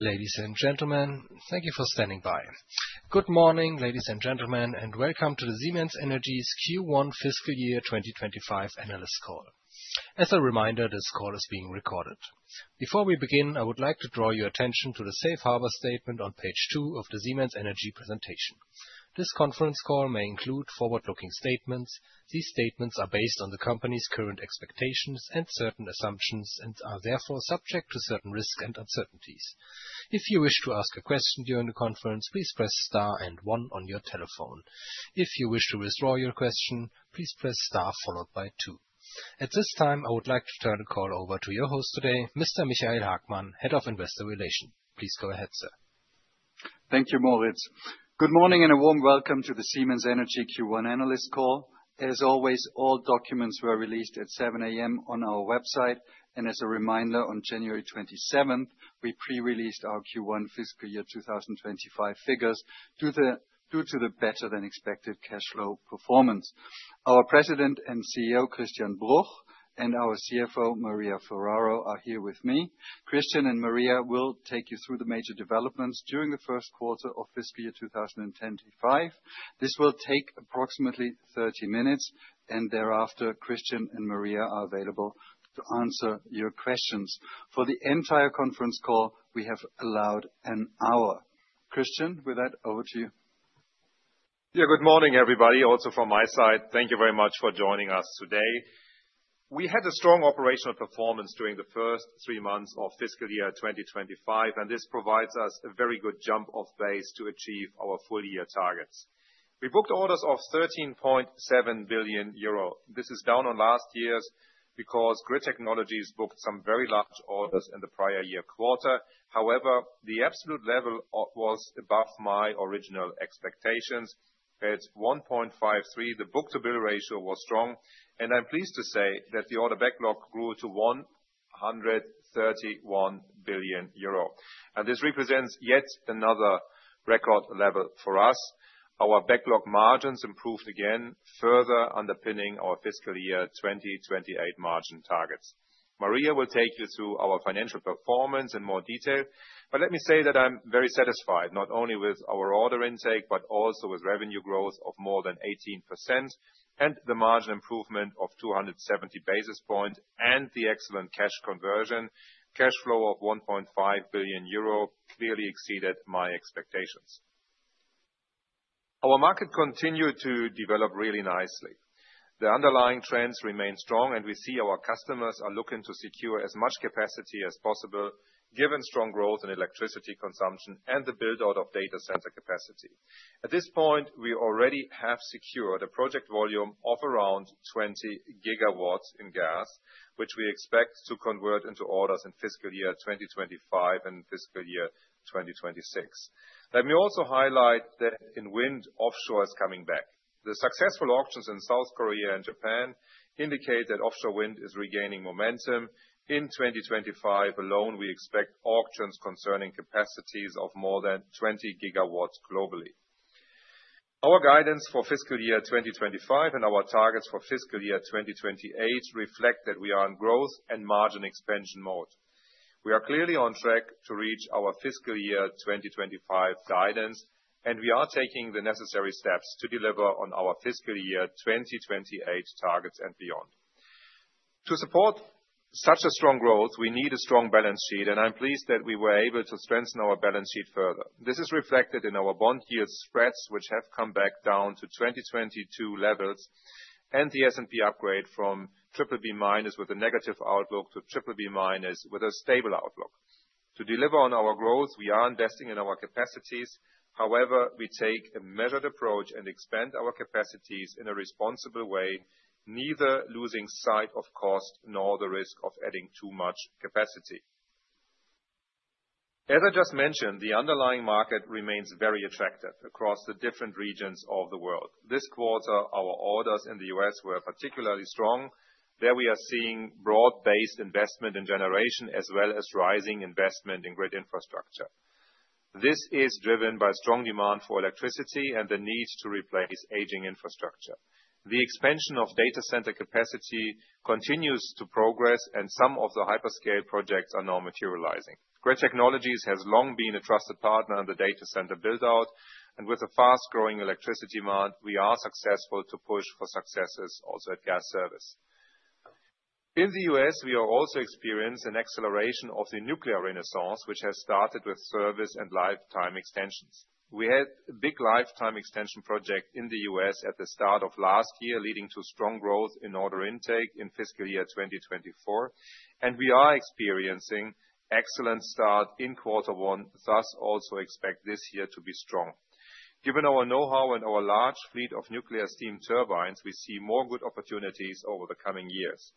Ladies and gentlemen, thank you for standing by. Good morning, ladies and gentlemen, and welcome to the Siemens Energy's Q1 Fiscal Year 2025 analyst call. As a reminder, this call is being recorded. Before we begin, I would like to draw your attention to the Safe Harbor Statement on page two of the Siemens Energy presentation. This conference call may include forward-looking statements. These statements are based on the company's current expectations and certain assumptions and are therefore subject to certain risks and uncertainties. If you wish to ask a question during the conference, please press star and one on your telephone. If you wish to withdraw your question, please press star followed by two. At this time, I would like to turn the call over to your host today, Mr. Michael Hagmann, Head of Investor Relations. Please go ahead, sir. Thank you, Moritz. Good morning and a warm welcome to the Siemens Energy Q1 analyst call. As always, all documents were released at 7:00 A.M. on our website, and as a reminder, on January 27th, we pre-released our Q1 Fiscal Year 2025 figures due to the better-than-expected cash flow performance. Our President and CEO, Christian Bruch, and our CFO, Maria Ferraro, are here with me. Christian and Maria will take you through the major developments during the first quarter of Fiscal Year 2025. This will take approximately 30 minutes, and thereafter, Christian and Maria are available to answer your questions. For the entire conference call, we have allowed an hour. Christian, with that, over to you. Yeah, good morning, everybody, also from my side. Thank you very much for joining us today. We had a strong operational performance during the first three months of Fiscal Year 2025, and this provides us a very good jump-off base to achieve our full-year targets. We booked orders of €13.7 billion. This is down on last year's because Grid Technologies booked some very large orders in the prior year quarter. However, the absolute level was above my original expectations at 1.53. The book-to-bill ratio was strong, and I'm pleased to say that the order backlog grew to €131 billion, and this represents yet another record level for us. Our backlog margins improved again, further underpinning our Fiscal Year 2028 margin targets. Maria will take you through our financial performance in more detail, but let me say that I'm very satisfied not only with our order intake, but also with revenue growth of more than 18% and the margin improvement of 270 basis points and the excellent cash conversion. Cash flow of €1.5 billion clearly exceeded my expectations. Our market continued to develop really nicely. The underlying trends remain strong, and we see our customers are looking to secure as much capacity as possible, given strong growth in electricity consumption and the build-out of data center capacity. At this point, we already have secured a project volume of around 20 gigawatts in gas, which we expect to convert into orders in Fiscal Year 2025 and Fiscal Year 2026. Let me also highlight that wind offshore is coming back. The successful auctions in South Korea and Japan indicate that offshore wind is regaining momentum. In 2025 alone, we expect auctions concerning capacities of more than 20 gigawatts globally. Our guidance for Fiscal Year 2025 and our targets for Fiscal Year 2028 reflect that we are in growth and margin expansion mode. We are clearly on track to reach our Fiscal Year 2025 guidance, and we are taking the necessary steps to deliver on our Fiscal Year 2028 targets and beyond. To support such a strong growth, we need a strong balance sheet, and I'm pleased that we were able to strengthen our balance sheet further. This is reflected in our bond yield spreads, which have come back down to 2022 levels, and the S&P upgrade from BBB minus with a negative outlook to BBB minus with a stable outlook. To deliver on our growth, we are investing in our capacities. However, we take a measured approach and expand our capacities in a responsible way, neither losing sight of cost nor the risk of adding too much capacity. As I just mentioned, the underlying market remains very attractive across the different regions of the world. This quarter, our orders in the U.S. were particularly strong. There we are seeing broad-based investment in generation as well as rising investment in grid infrastructure. This is driven by strong demand for electricity and the need to replace aging infrastructure. The expansion of data center capacity continues to progress, and some of the hyperscale projects are now materializing. Grid Technologies has long been a trusted partner in the data center build-out, and with a fast-growing electricity demand, we are successful to push for successes also at Gas Services. In the U.S., we are also experiencing an acceleration of the nuclear renaissance, which has started with service and lifetime extensions. We had a big lifetime extension project in the U.S. at the start of last year, leading to strong growth in order intake in Fiscal Year 2024, and we are experiencing an excellent start in quarter one, thus also expect this year to be strong. Given our know-how and our large fleet of nuclear steam turbines, we see more good opportunities over the coming years.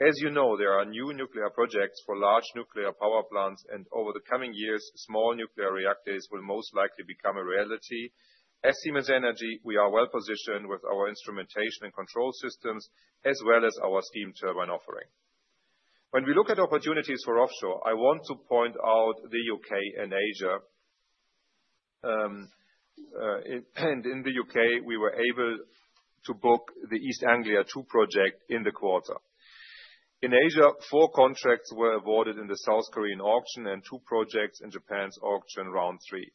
As you know, there are new nuclear projects for large nuclear power plants, and over the coming years, small nuclear reactors will most likely become a reality. At Siemens Energy, we are well positioned with our instrumentation and control systems, as well as our steam turbine offering. When we look at opportunities for offshore, I want to point out the U.K. and Asia. In the UK, we were able to book the East Anglia TWO project in the quarter. In Asia, four contracts were awarded in the South Korean auction and two projects in Japan's auction round three.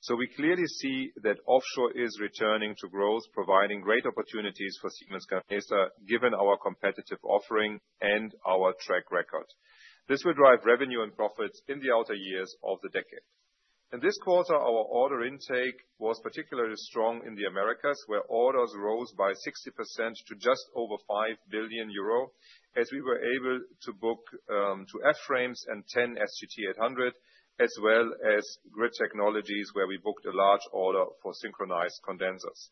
So we clearly see that offshore is returning to growth, providing great opportunities for Siemens Gamesa, given our competitive offering and our track record. This will drive revenue and profits in the outer years of the decade. In this quarter, our order intake was particularly strong in the Americas, where orders rose by 60% to just over €5 billion, as we were able to book two F-Class and 10 SGT-800, as well as Grid Technologies, where we booked a large order for synchronous condensers.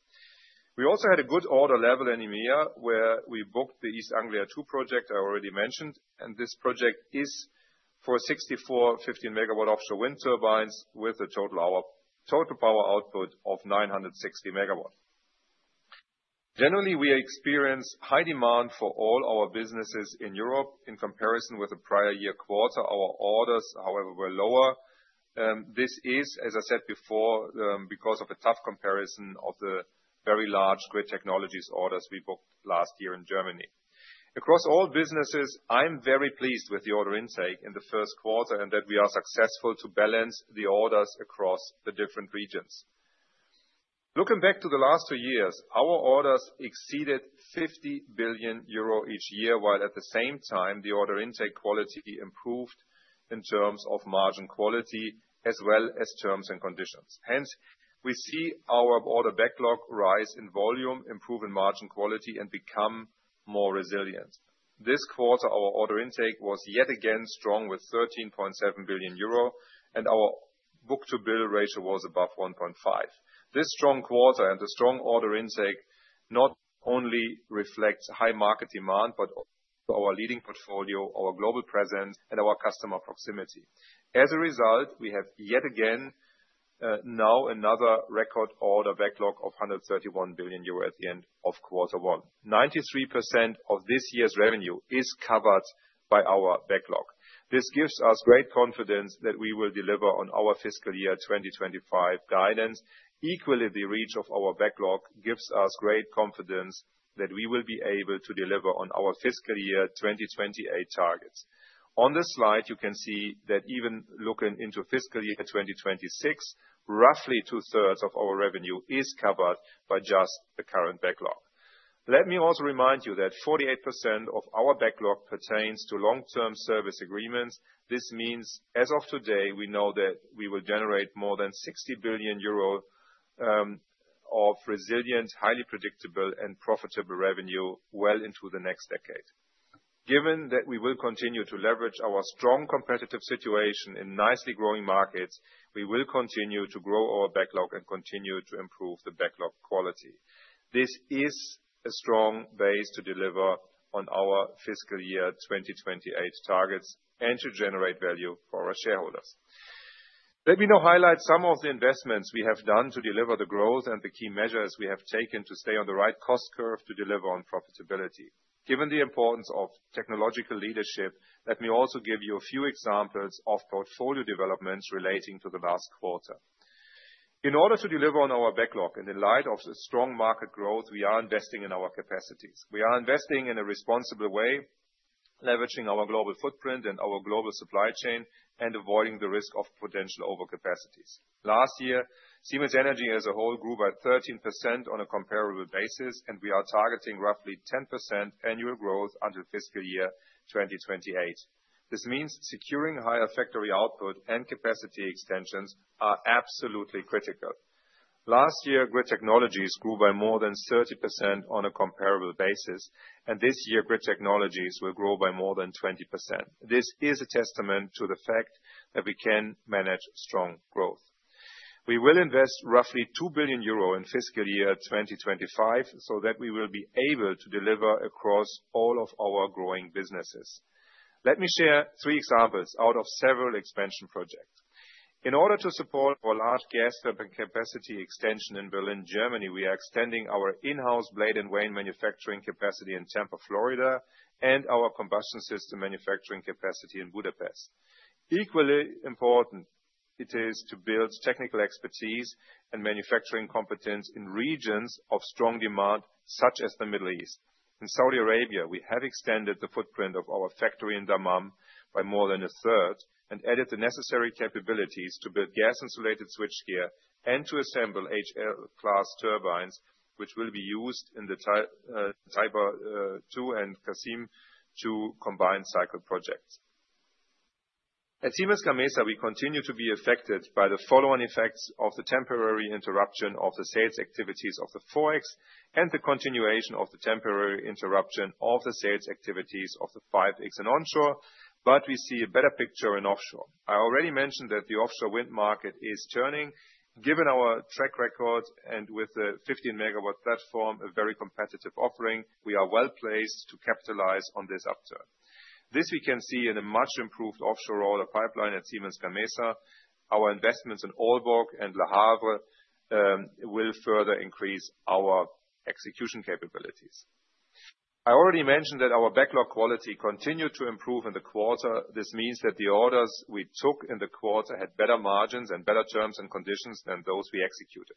We also had a good order level in EMEA, where we booked the East Anglia 2 project I already mentioned, and this project is for 64 15-megawatt offshore wind turbines with a total power output of 960 megawatts. Generally, we experience high demand for all our businesses in Europe. In comparison with the prior year quarter, our orders, however, were lower. This is, as I said before, because of a tough comparison of the very large Grid Technologies orders we booked last year in Germany. Across all businesses, I'm very pleased with the order intake in the first quarter and that we are successful to balance the orders across the different regions. Looking back to the last two years, our orders exceeded €50 billion each year, while at the same time, the order intake quality improved in terms of margin quality as well as terms and conditions. Hence, we see our order backlog rise in volume, improve in margin quality, and become more resilient. This quarter, our order intake was yet again strong with 13.7 billion euro, and our book-to-bill ratio was above 1.5. This strong quarter and the strong order intake not only reflects high market demand, but also our leading portfolio, our global presence, and our customer proximity. As a result, we have yet again now another record order backlog of 131 billion euro at the end of quarter one. 93% of this year's revenue is covered by our backlog. This gives us great confidence that we will deliver on our Fiscal Year 2025 guidance. Equally, the reach of our backlog gives us great confidence that we will be able to deliver on our Fiscal Year 2028 targets. On this slide, you can see that even looking into Fiscal Year 2026, roughly two-thirds of our revenue is covered by just the current backlog. Let me also remind you that 48% of our backlog pertains to long-term service agreements. This means as of today, we know that we will generate more than €60 billion of resilient, highly predictable, and profitable revenue well into the next decade. Given that we will continue to leverage our strong competitive situation in nicely growing markets, we will continue to grow our backlog and continue to improve the backlog quality. This is a strong base to deliver on our Fiscal Year 2028 targets and to generate value for our shareholders. Let me now highlight some of the investments we have done to deliver the growth and the key measures we have taken to stay on the right cost curve to deliver on profitability. Given the importance of technological leadership, let me also give you a few examples of portfolio developments relating to the last quarter. In order to deliver on our backlog and in light of the strong market growth, we are investing in our capacities. We are investing in a responsible way, leveraging our global footprint and our global supply chain and avoiding the risk of potential overcapacities. Last year, Siemens Energy as a whole grew by 13% on a comparable basis, and we are targeting roughly 10% annual growth until Fiscal Year 2028. This means securing higher factory output and capacity extensions are absolutely critical. Last year, Grid Technologies grew by more than 30% on a comparable basis, and this year, Grid Technologies will grow by more than 20%. This is a testament to the fact that we can manage strong growth. We will invest roughly €2 billion in Fiscal Year 2025 so that we will be able to deliver across all of our growing businesses. Let me share three examples out of several expansion projects. In order to support our large gas turbine capacity extension in Berlin, Germany, we are extending our in-house blade and vane manufacturing capacity in Tampa, Florida, and our combustion system manufacturing capacity in Budapest. Equally important, it is to build technical expertise and manufacturing competence in regions of strong demand, such as the Middle East. In Saudi Arabia, we have extended the footprint of our factory in Dammam by more than a third and added the necessary capabilities to build gas-insulated switchgear and to assemble HL-class turbines, which will be used in the Taiba 2 and Qassim 2 combined cycle projects. At Siemens Gamesa, we continue to be affected by the follow-on effects of the temporary interruption of the sales activities of the 4X and the continuation of the temporary interruption of the sales activities of the 5X and onshore, but we see a better picture in offshore. I already mentioned that the offshore wind market is turning. Given our track record and with the 15-megawatt platform, a very competitive offering, we are well placed to capitalize on this upturn. This we can see in a much improved offshore order pipeline at Siemens Gamesa. Our investments in Aalborg and Le Havre will further increase our execution capabilities. I already mentioned that our backlog quality continued to improve in the quarter. This means that the orders we took in the quarter had better margins and better terms and conditions than those we executed.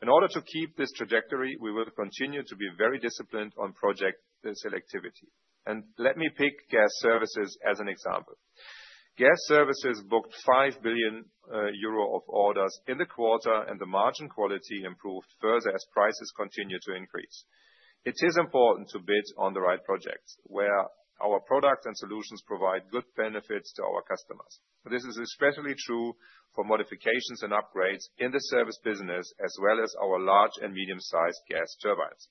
In order to keep this trajectory, we will continue to be very disciplined on project selectivity. And let me pick gas services as an example. Gas services booked € 5 billion of orders in the quarter, and the margin quality improved further as prices continue to increase. It is important to bid on the right projects where our products and solutions provide good benefits to our customers. This is especially true for modifications and upgrades in the service business, as well as our large and medium-sized gas turbines.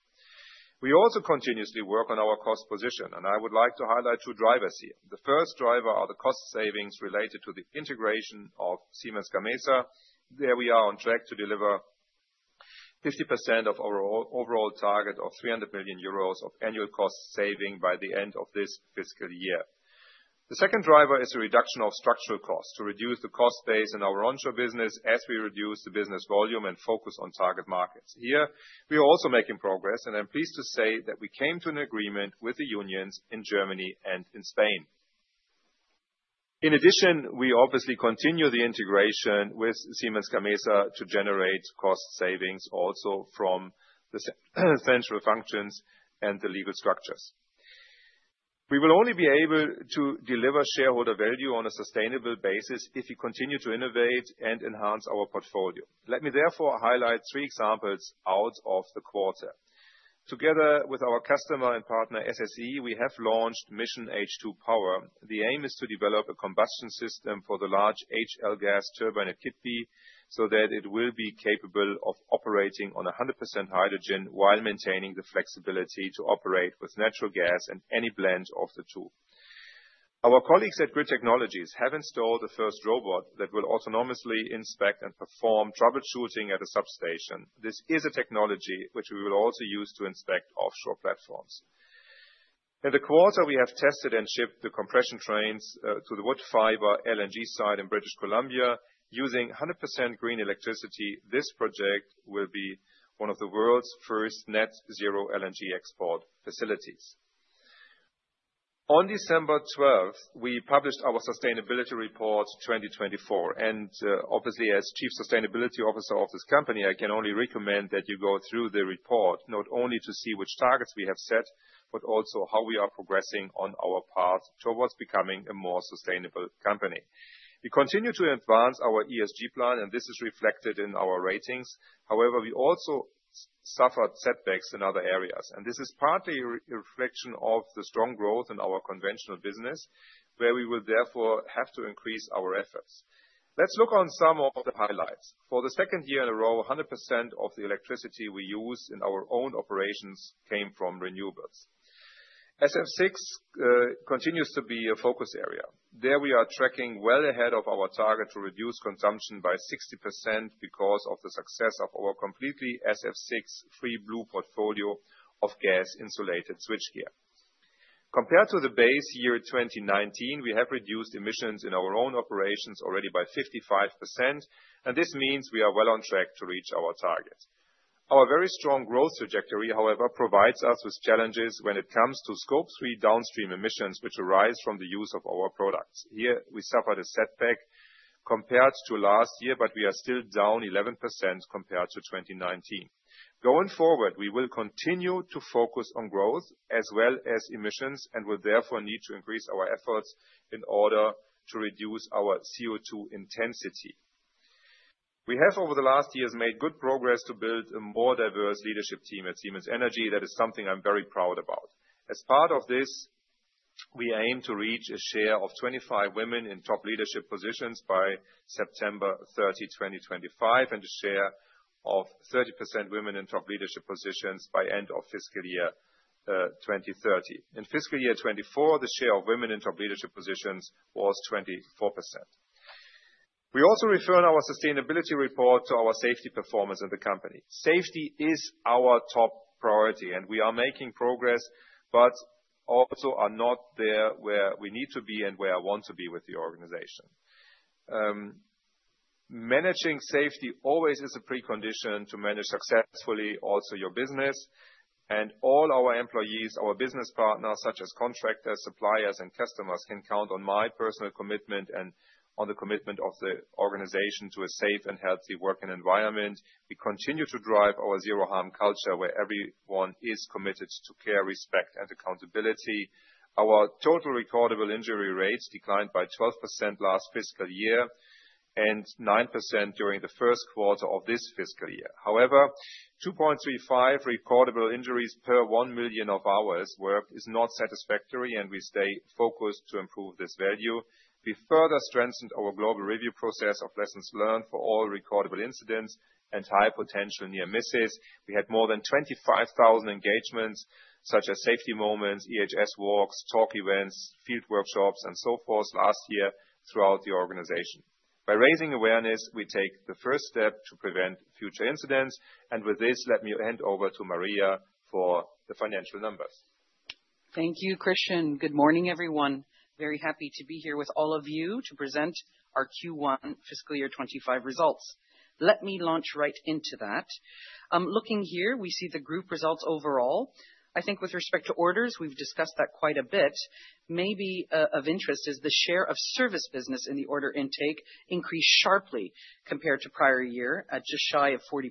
We also continuously work on our cost position, and I would like to highlight two drivers here. The first driver are the cost savings related to the integration of Siemens Gamesa. There we are on track to deliver 50% of our overall target of € 300 million of annual cost saving by the end of this fiscal year. The second driver is a reduction of structural costs to reduce the cost base in our onshore business as we reduce the business volume and focus on target markets. Here, we are also making progress, and I'm pleased to say that we came to an agreement with the unions in Germany and in Spain. In addition, we obviously continue the integration with Siemens Gamesa to generate cost savings also from the central functions and the legal structures. We will only be able to deliver shareholder value on a sustainable basis if we continue to innovate and enhance our portfolio. Let me therefore highlight three examples out of the quarter. Together with our customer and partner SSE, we have launched Mission H2 Power. The aim is to develop a combustion system for the large HL gas turbine at Keadby so that it will be capable of operating on 100% hydrogen while maintaining the flexibility to operate with natural gas and any blend of the two. Our colleagues at Grid Technologies have installed a first robot that will autonomously inspect and perform troubleshooting at a substation. This is a technology which we will also use to inspect offshore platforms. In the quarter, we have tested and shipped the compression trains to the Woodfibre LNG site in British Columbia. Using 100% green electricity, this project will be one of the world's first net-zero LNG export facilities. On December 12th, we published our Sustainability Report 2024. Obviously, as Chief Sustainability Officer of this company, I can only recommend that you go through the report not only to see which targets we have set, but also how we are progressing on our path towards becoming a more sustainable company. We continue to advance our ESG plan, and this is reflected in our ratings. However, we also suffered setbacks in other areas, and this is partly a reflection of the strong growth in our conventional business, where we will therefore have to increase our efforts. Let's look on some of the highlights. For the second year in a row, 100% of the electricity we use in our own operations came from renewables. SF6 continues to be a focus area. There we are tracking well ahead of our target to reduce consumption by 60% because of the success of our completely SF6-free Blue Portfolio of gas-insulated switchgear. Compared to the base year 2019, we have reduced emissions in our own operations already by 55%, and this means we are well on track to reach our target. Our very strong growth trajectory, however, provides us with challenges when it comes to Scope 3 downstream emissions, which arise from the use of our products. Here, we suffered a setback compared to last year, but we are still down 11% compared to 2019. Going forward, we will continue to focus on growth as well as emissions and will therefore need to increase our efforts in order to reduce our CO2 intensity. We have, over the last years, made good progress to build a more diverse leadership team at Siemens Energy. That is something I'm very proud about. As part of this, we aim to reach a share of 25 women in top leadership positions by September 30, 2025, and a share of 30% women in top leadership positions by the end of fiscal year 2030. In fiscal year 2024, the share of women in top leadership positions was 24%. We also refer in our sustainability report to our safety performance at the company. Safety is our top priority, and we are making progress, but also are not there where we need to be and where I want to be with the organization. Managing safety always is a precondition to manage successfully also your business, and all our employees, our business partners, such as contractors, suppliers, and customers, can count on my personal commitment and on the commitment of the organization to a safe and healthy working environment. We continue to drive our zero-harm culture, where everyone is committed to care, respect, and accountability. Our total recordable injury rates declined by 12% last fiscal year and 9% during the first quarter of this fiscal year. However, 2.35 recordable injuries per 1 million of our work is not satisfactory, and we stay focused to improve this value. We further strengthened our global review process of lessons learned for all recordable incidents and high potential near misses. We had more than 25,000 engagements, such as safety moments, EHS walks, talk events, field workshops, and so forth last year throughout the organization. By raising awareness, we take the first step to prevent future incidents. And with this, let me hand over to Maria for the financial numbers. Thank you, Christian. Good morning, everyone. Very happy to be here with all of you to present our Q1 fiscal year 2025 results. Let me launch right into that. Looking here, we see the group results overall. I think with respect to orders, we've discussed that quite a bit. Maybe of interest is the share of service business in the order intake increased sharply compared to prior year, just shy of 40%.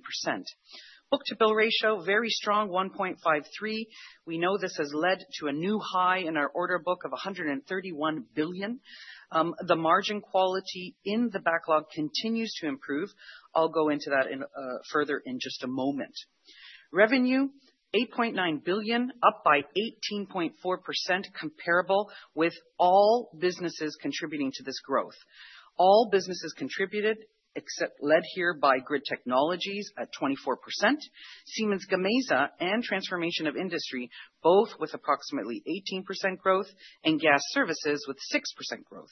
Book-to-Bill Ratio, very strong, 1.53. We know this has led to a new high in our order book of 131 billion. The margin quality in the backlog continues to improve. I'll go into that further in just a moment. Revenue, 8.9 billion, up by 18.4%, comparable with all businesses contributing to this growth. All businesses contributed, especially led here by Grid Technologies at 24%, Siemens Gamesa and Transformation of Industry, both with approximately 18% growth, and Gas Services with 6% growth.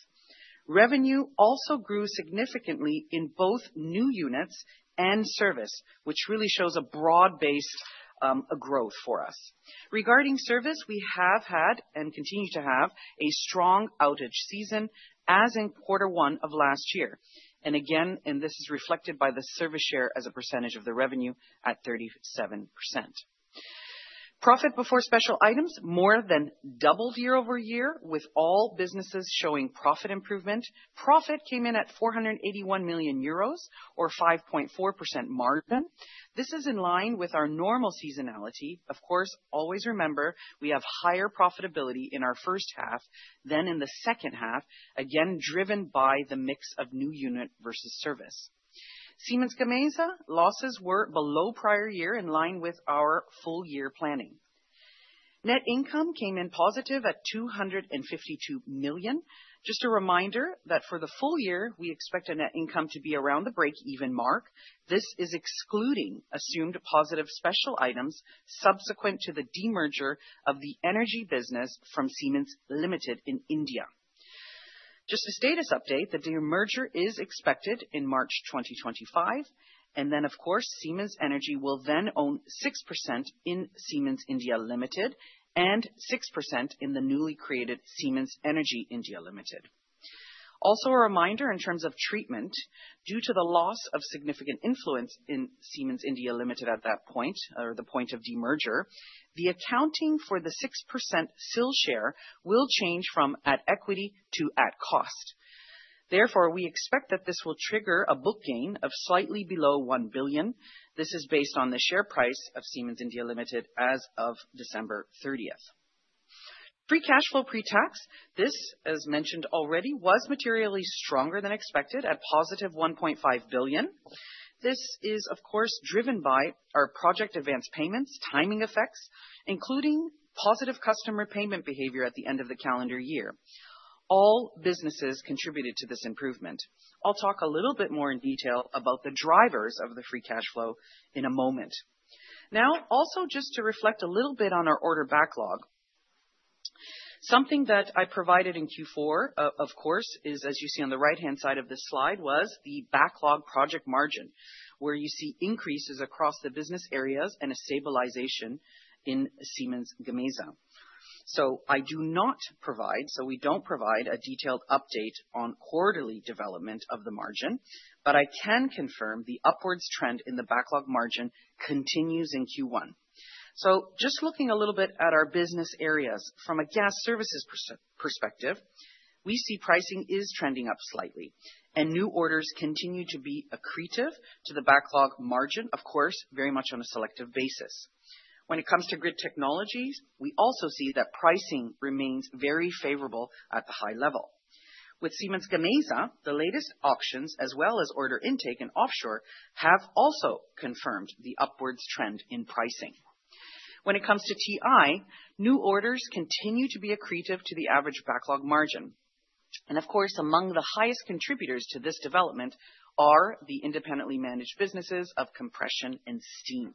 Revenue also grew significantly in both new units and service, which really shows a broad-based growth for us. Regarding service, we have had and continue to have a strong outage season as in quarter one of last year. And again, this is reflected by the service share as a percentage of the revenue at 37%. Profit before special items, more than doubled year-over-year, with all businesses showing profit improvement. Profit came in at €481 million or 5.4% margin. This is in line with our normal seasonality. Of course, always remember we have higher profitability in our first half than in the second half, again driven by the mix of new unit versus service. Siemens Gamesa losses were below prior year, in line with our full year planning. Net income came in positive at €252 million. Just a reminder that for the full year, we expect a net income to be around the break-even mark. This is excluding assumed positive special items subsequent to the demerger of the energy business from Siemens Limited in India. Just a status update, the demerger is expected in March 2025. Of course, Siemens Energy will then own 6% in Siemens Limited and 6% in the newly created Siemens Energy India Limited. Also, a reminder in terms of treatment, due to the loss of significant influence in Siemens Limited at that point, or the point of demerger, the accounting for the 6% SIL share will change from at equity to at cost. Therefore, we expect that this will trigger a book gain of slightly below EUR 1 billion. This is based on the share price of Siemens Limited as of December 30th. Free cash flow pre-tax, this, as mentioned already, was materially stronger than expected at positive 1.5 billion. This is, of course, driven by our project advance payments timing effects, including positive customer payment behavior at the end of the calendar year. All businesses contributed to this improvement. I'll talk a little bit more in detail about the drivers of the free cash flow in a moment. Now, also just to reflect a little bit on our order backlog, something that I provided in Q4, of course, is, as you see on the right-hand side of this slide, was the backlog project margin, where you see increases across the business areas and a stabilization in Siemens Gamesa. So I do not provide, so we don't provide a detailed update on quarterly development of the margin, but I can confirm the upwards trend in the backlog margin continues in Q1. So just looking a little bit at our business areas, from a gas services perspective, we see pricing is trending up slightly, and new orders continue to be accretive to the backlog margin, of course, very much on a selective basis. When it comes to Grid Technologies, we also see that pricing remains very favorable at the high level. With Siemens Gamesa, the latest auctions, as well as order intake and offshore, have also confirmed the upwards trend in pricing. When it comes to TI, new orders continue to be accretive to the average backlog margin. And of course, among the highest contributors to this development are the independently managed businesses of compression and steam.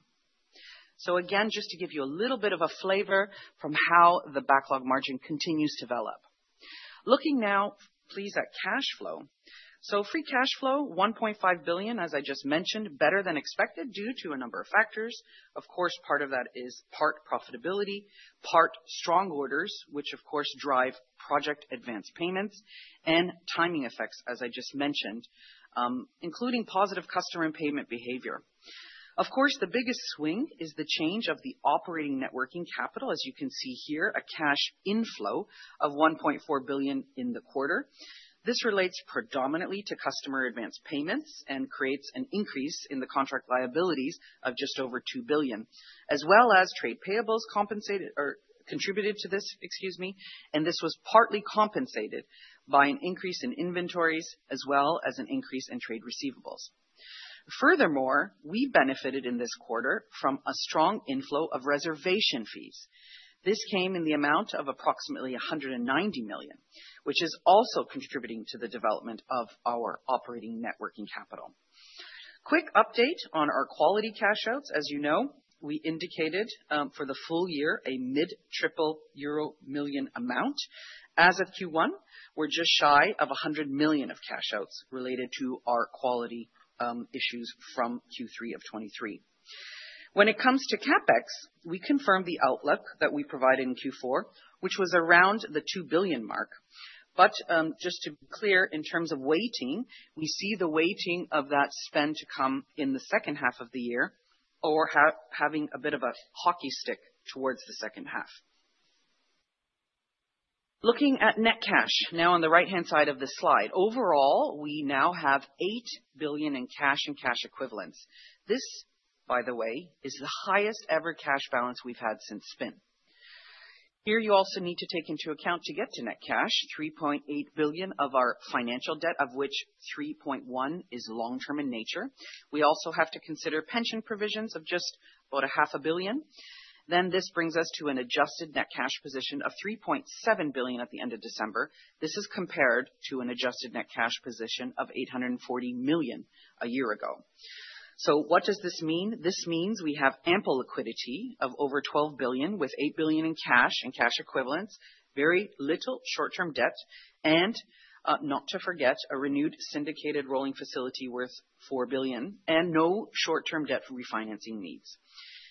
So again, just to give you a little bit of a flavor from how the backlog margin continues to develop. Looking now, please, at cash flow. Free cash flow, €1.5 billion, as I just mentioned, better than expected due to a number of factors. Of course, part of that is part profitability, part strong orders, which of course drive project advance payments and timing effects, as I just mentioned, including positive customer and payment behavior. Of course, the biggest swing is the change of the operating net working capital, as you can see here, a cash inflow of €1.4 billion in the quarter. This relates predominantly to customer advance payments and creates an increase in the contract liabilities of just over €2 billion, as well as trade payables contributed to this, excuse me, and this was partly compensated by an increase in inventories as well as an increase in trade receivables. Furthermore, we benefited in this quarter from a strong inflow of reservation fees. This came in the amount of approximately 190 million, which is also contributing to the development of our operating net working capital. Quick update on our quality cash outs. As you know, we indicated for the full year a mid-triple-digit euro million amount. As of Q1, we're just shy of 100 million of cash outs related to our quality issues from Q3 of 2023. When it comes to CapEx, we confirmed the outlook that we provided in Q4, which was around the 2 billion mark. But just to be clear, in terms of weighting, we see the weighting of that spend to come in the second half of the year or having a bit of a hockey stick towards the second half. Looking at net cash now on the right-hand side of this slide, overall, we now have 8 billion in cash and cash equivalents. This, by the way, is the highest ever cash balance we've had since spin. Here you also need to take into account to get to net cash, 3.8 billion of our financial debt, of which 3.1 is long-term in nature. We also have to consider pension provisions of just about 0.5 billion. Then this brings us to an adjusted net cash position of 3.7 billion at the end of December. This is compared to an adjusted net cash position of 840 million a year ago. So what does this mean? This means we have ample liquidity of over 12 billion with 8 billion in cash and cash equivalents, very little short-term debt, and not to forget, a renewed syndicated rolling facility worth 4 billion and no short-term debt refinancing needs.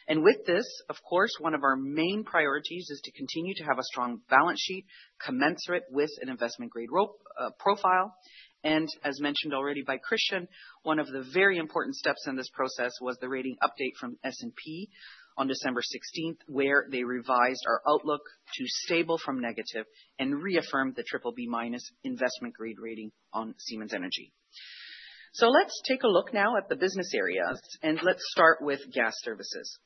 With this, of course, one of our main priorities is to continue to have a strong balance sheet commensurate with an investment-grade profile. As mentioned already by Christian, one of the very important steps in this process was the rating update from S&P on December 16th, where they revised our outlook to stable from negative and reaffirmed the triple B minus investment-grade rating on Siemens Energy. Let's take a look now at the business areas, and let's start with gas services.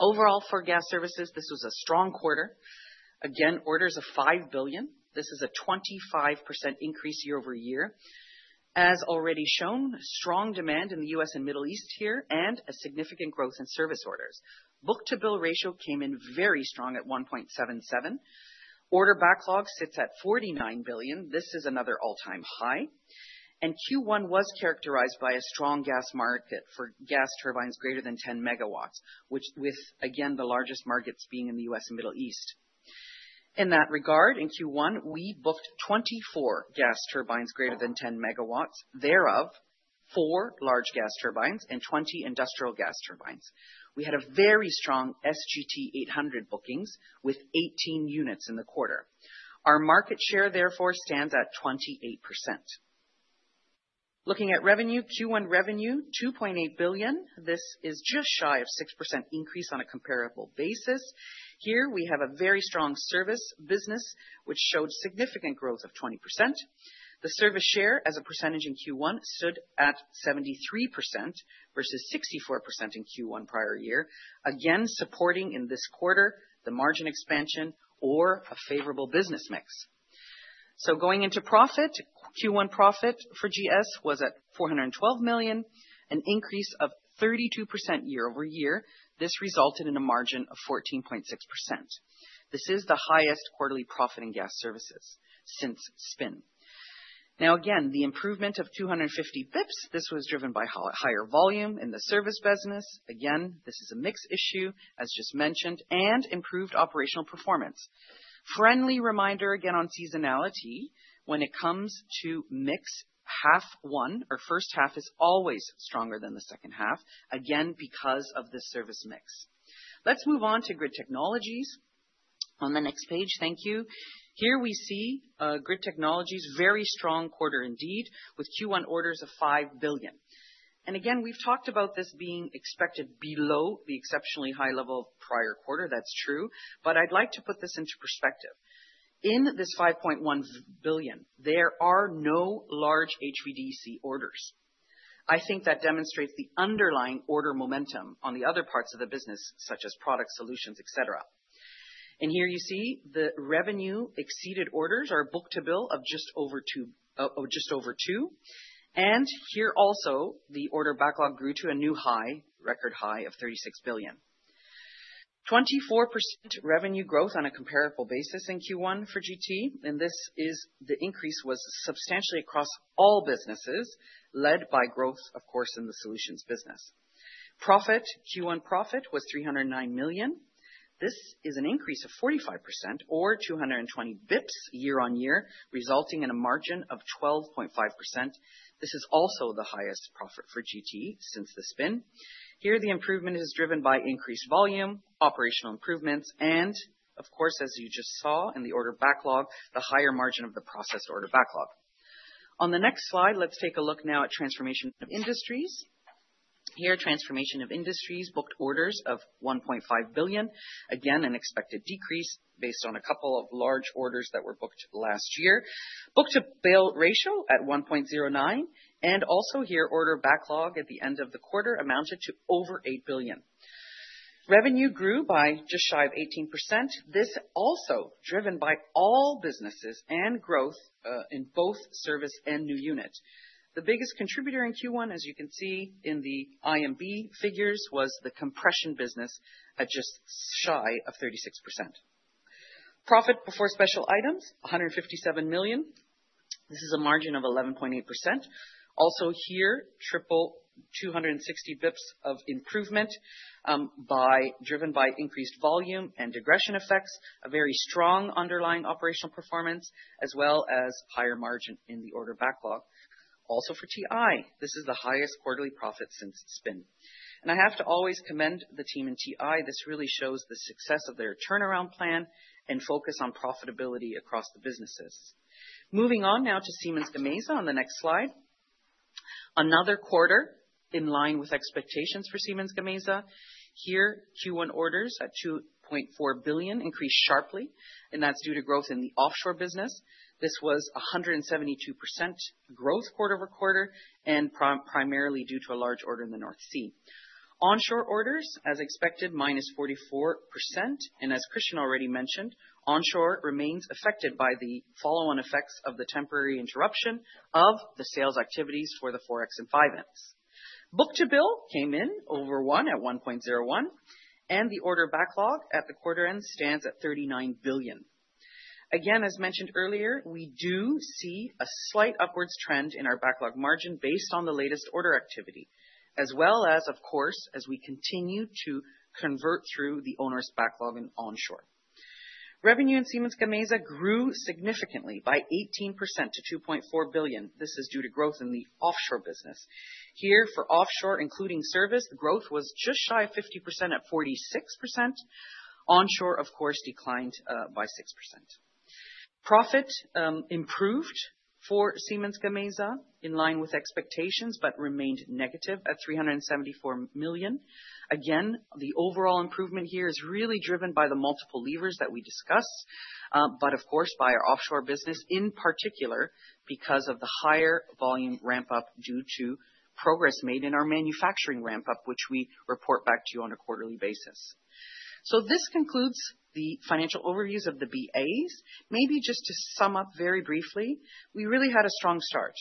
Overall, for gas services, this was a strong quarter. Again, orders of €5 billion. This is a 25% increase year-over-year. As already shown, strong demand in the U.S. and Middle East here and a significant growth in service orders. Book-to-bill ratio came in very strong at 1.77. Order backlog sits at €49 billion. This is another all-time high. Q1 was characterized by a strong gas market for gas turbines greater than 10 megawatts, which, with, again, the largest markets being in the U.S. and Middle East. In that regard, in Q1, we booked 24 gas turbines greater than 10 megawatts, thereof four large gas turbines and 20 industrial gas turbines. We had a very strong SGT-800 bookings with 18 units in the quarter. Our market share, therefore, stands at 28%. Looking at revenue, Q1 revenue, 2.8 billion. This is just shy of 6% increase on a comparable basis. Here we have a very strong service business, which showed significant growth of 20%. The service share as a percentage in Q1 stood at 73% versus 64% in Q1 prior year, again supporting in this quarter the margin expansion or a favorable business mix. Going into profit, Q1 profit for GS was at 412 million, an increase of 32% year-over-year. This resulted in a margin of 14.6%. This is the highest quarterly profit in gas services since spin. Now, again, the improvement of 250 basis points, this was driven by higher volume in the service business. Again, this is a mix issue, as just mentioned, and improved operational performance. Friendly reminder again on seasonality. When it comes to mix, half one or first half is always stronger than the second half, again because of the service mix. Let's move on to Grid Technologies on the next page. Thank you. Here we see Grid Technologies' very strong quarter indeed with Q1 orders of 5 billion. And again, we've talked about this being expected below the exceptionally high level of prior quarter. That's true, but I'd like to put this into perspective. In this €5.1 billion, there are no large HVDC orders. I think that demonstrates the underlying order momentum on the other parts of the business, such as product solutions, et cetera. Here you see the revenue exceeded orders are book-to-bill of just over 2. Here also, the order backlog grew to a new high, record high of €36 billion. 24% revenue growth on a comparable basis in Q1 for GT, and this is the increase was substantially across all businesses led by growth, of course, in the solutions business. Profit, Q1 profit was €309 million. This is an increase of 45% or 220 basis points year on year, resulting in a margin of 12.5%. This is also the highest profit for GT since the spin. Here, the improvement is driven by increased volume, operational improvements, and of course, as you just saw in the order backlog, the higher margin of the process order backlog. On the next slide, let's take a look now at Transformation of Industry. Here, Transformation of Industry booked orders of 1.5 billion. Again, an expected decrease based on a couple of large orders that were booked last year. Book-to-bill ratio at 1.09, and also here, order backlog at the end of the quarter amounted to over 8 billion. Revenue grew by just shy of 18%. This also driven by all businesses and growth in both service and new unit. The biggest contributor in Q1, as you can see in the IMB figures, was the compression business at just shy of 36%. Profit before special items, 157 million. This is a margin of 11.8%. Also here, 300 basis points of improvement driven by increased volume and degression effects, a very strong underlying operational performance, as well as higher margin in the order backlog. Also for TI, this is the highest quarterly profit since spin, and I have to always commend the team in TI. This really shows the success of their turnaround plan and focus on profitability across the businesses. Moving on now to Siemens Gamesa on the next slide. Another quarter in line with expectations for Siemens Gamesa. Here, Q1 orders at 2.4 billion increased sharply, and that's due to growth in the offshore business. This was 172% growth quarter over quarter and primarily due to a large order in the North Sea. Onshore orders, as expected, -44%. As Christian already mentioned, onshore remains affected by the follow-on effects of the temporary interruption of the sales activities for the 4X and 5X. Book-to-bill came in over 1 at 1.01, and the order backlog at the quarter end stands at €39 billion. Again, as mentioned earlier, we do see a slight upwards trend in our backlog margin based on the latest order activity, as well as, of course, as we continue to convert through the onshore's backlog in onshore. Revenue in Siemens Gamesa grew significantly by 18% to €2.4 billion. This is due to growth in the offshore business. Here, for offshore, including service, the growth was just shy of 50% at 46%. Onshore, of course, declined by 6%. Profit improved for Siemens Gamesa in line with expectations, but remained negative at -€374 million. Again, the overall improvement here is really driven by the multiple levers that we discussed, but of course, by our offshore business in particular because of the higher volume ramp-up due to progress made in our manufacturing ramp-up, which we report back to you on a quarterly basis. So this concludes the financial overviews of the BAs. Maybe just to sum up very briefly, we really had a strong start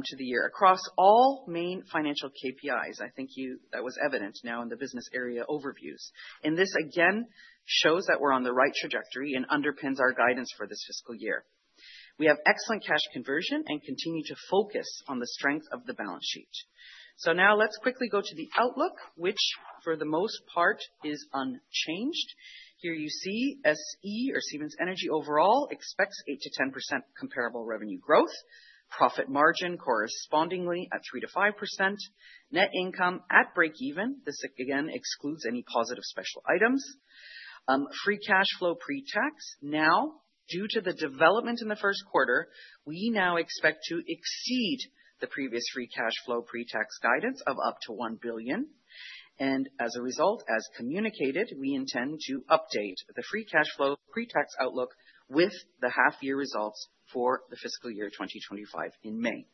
to the year across all main financial KPIs. I think that was evident now in the business area overviews. And this again shows that we're on the right trajectory and underpins our guidance for this fiscal year. We have excellent cash conversion and continue to focus on the strength of the balance sheet. So now let's quickly go to the outlook, which for the most part is unchanged. Here you see SE or Siemens Energy overall expects 8%-10% comparable revenue growth. Profit margin correspondingly at 3%-5%. Net income at breakeven. This again excludes any positive special items. Free cash flow pre-tax. Now, due to the development in the first quarter, we now expect to exceed the previous free cash flow pre-tax guidance of up to 1 billion. And as a result, as communicated, we intend to update the free cash flow pre-tax outlook with the half-year results for the fiscal year 2025 in May.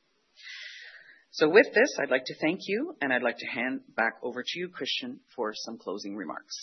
So with this, I'd like to thank you, and I'd like to hand back over to you, Christian, for some closing remarks.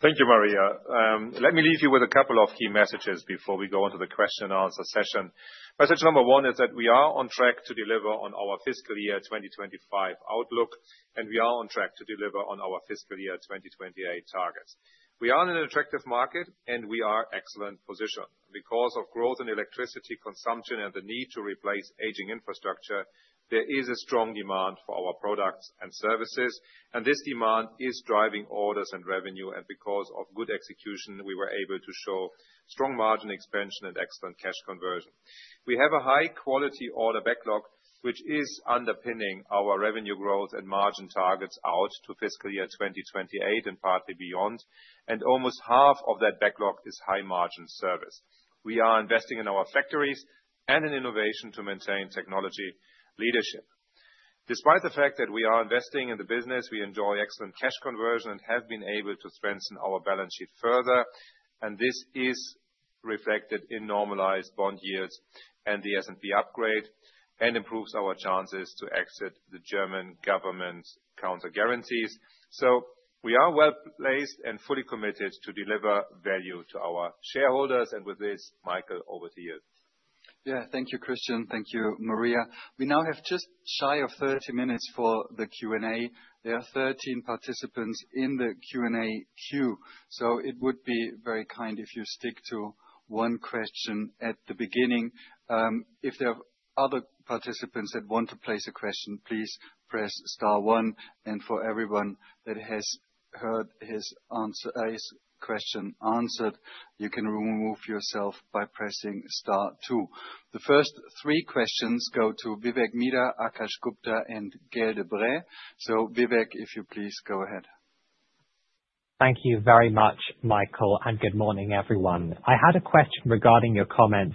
Thank you, Maria. Let me leave you with a couple of key messages before we go on to the question and answer session. Message number one is that we are on track to deliver on our fiscal year 2025 outlook, and we are on track to deliver on our fiscal year 2028 targets. We are in an attractive market, and we are in an excellent position. Because of growth in electricity consumption and the need to replace aging infrastructure, there is a strong demand for our products and services, and this demand is driving orders and revenue. And because of good execution, we were able to show strong margin expansion and excellent cash conversion. We have a high-quality order backlog, which is underpinning our revenue growth and margin targets out to fiscal year 2028 and partly beyond. And almost half of that backlog is high-margin service. We are investing in our factories and in innovation to maintain technology leadership. Despite the fact that we are investing in the business, we enjoy excellent cash conversion and have been able to strengthen our balance sheet further. And this is reflected in normalized bond yields and the S&P upgrade and improves our chances to exit the German government's counter guarantees. So we are well placed and fully committed to deliver value to our shareholders. And with this, Michael over to you. Yeah, thank you, Christian. Thank you, Maria. We now have just shy of 30 minutes for the Q&A. There are 13 participants in the Q&A queue. So it would be very kind if you stick to one question at the beginning. If there are other participants that want to place a question, please press star one. And for everyone that has heard his answer, his question answered, you can remove yourself by pressing star two. The first three questions go to Vivek Midha, Akash Gupta, and Gaël de-Bray. So Vivek, if you please go ahead. Thank you very much, Michael, and good morning, everyone. I had a question regarding your comments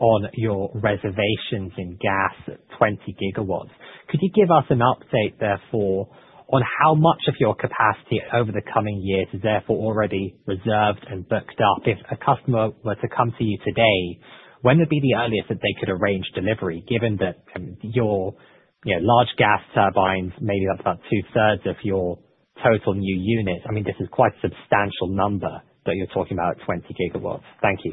on your reservations in gas at 20 gigawatts. Could you give us an update therefore on how much of your capacity over the coming years is therefore already reserved and booked up? If a customer were to come to you today, when would be the earliest that they could arrange delivery, given that your large gas turbines, maybe that's about two-thirds of your total new units? I mean, this is quite a substantial number that you're talking about at 20 gigawatts. Thank you.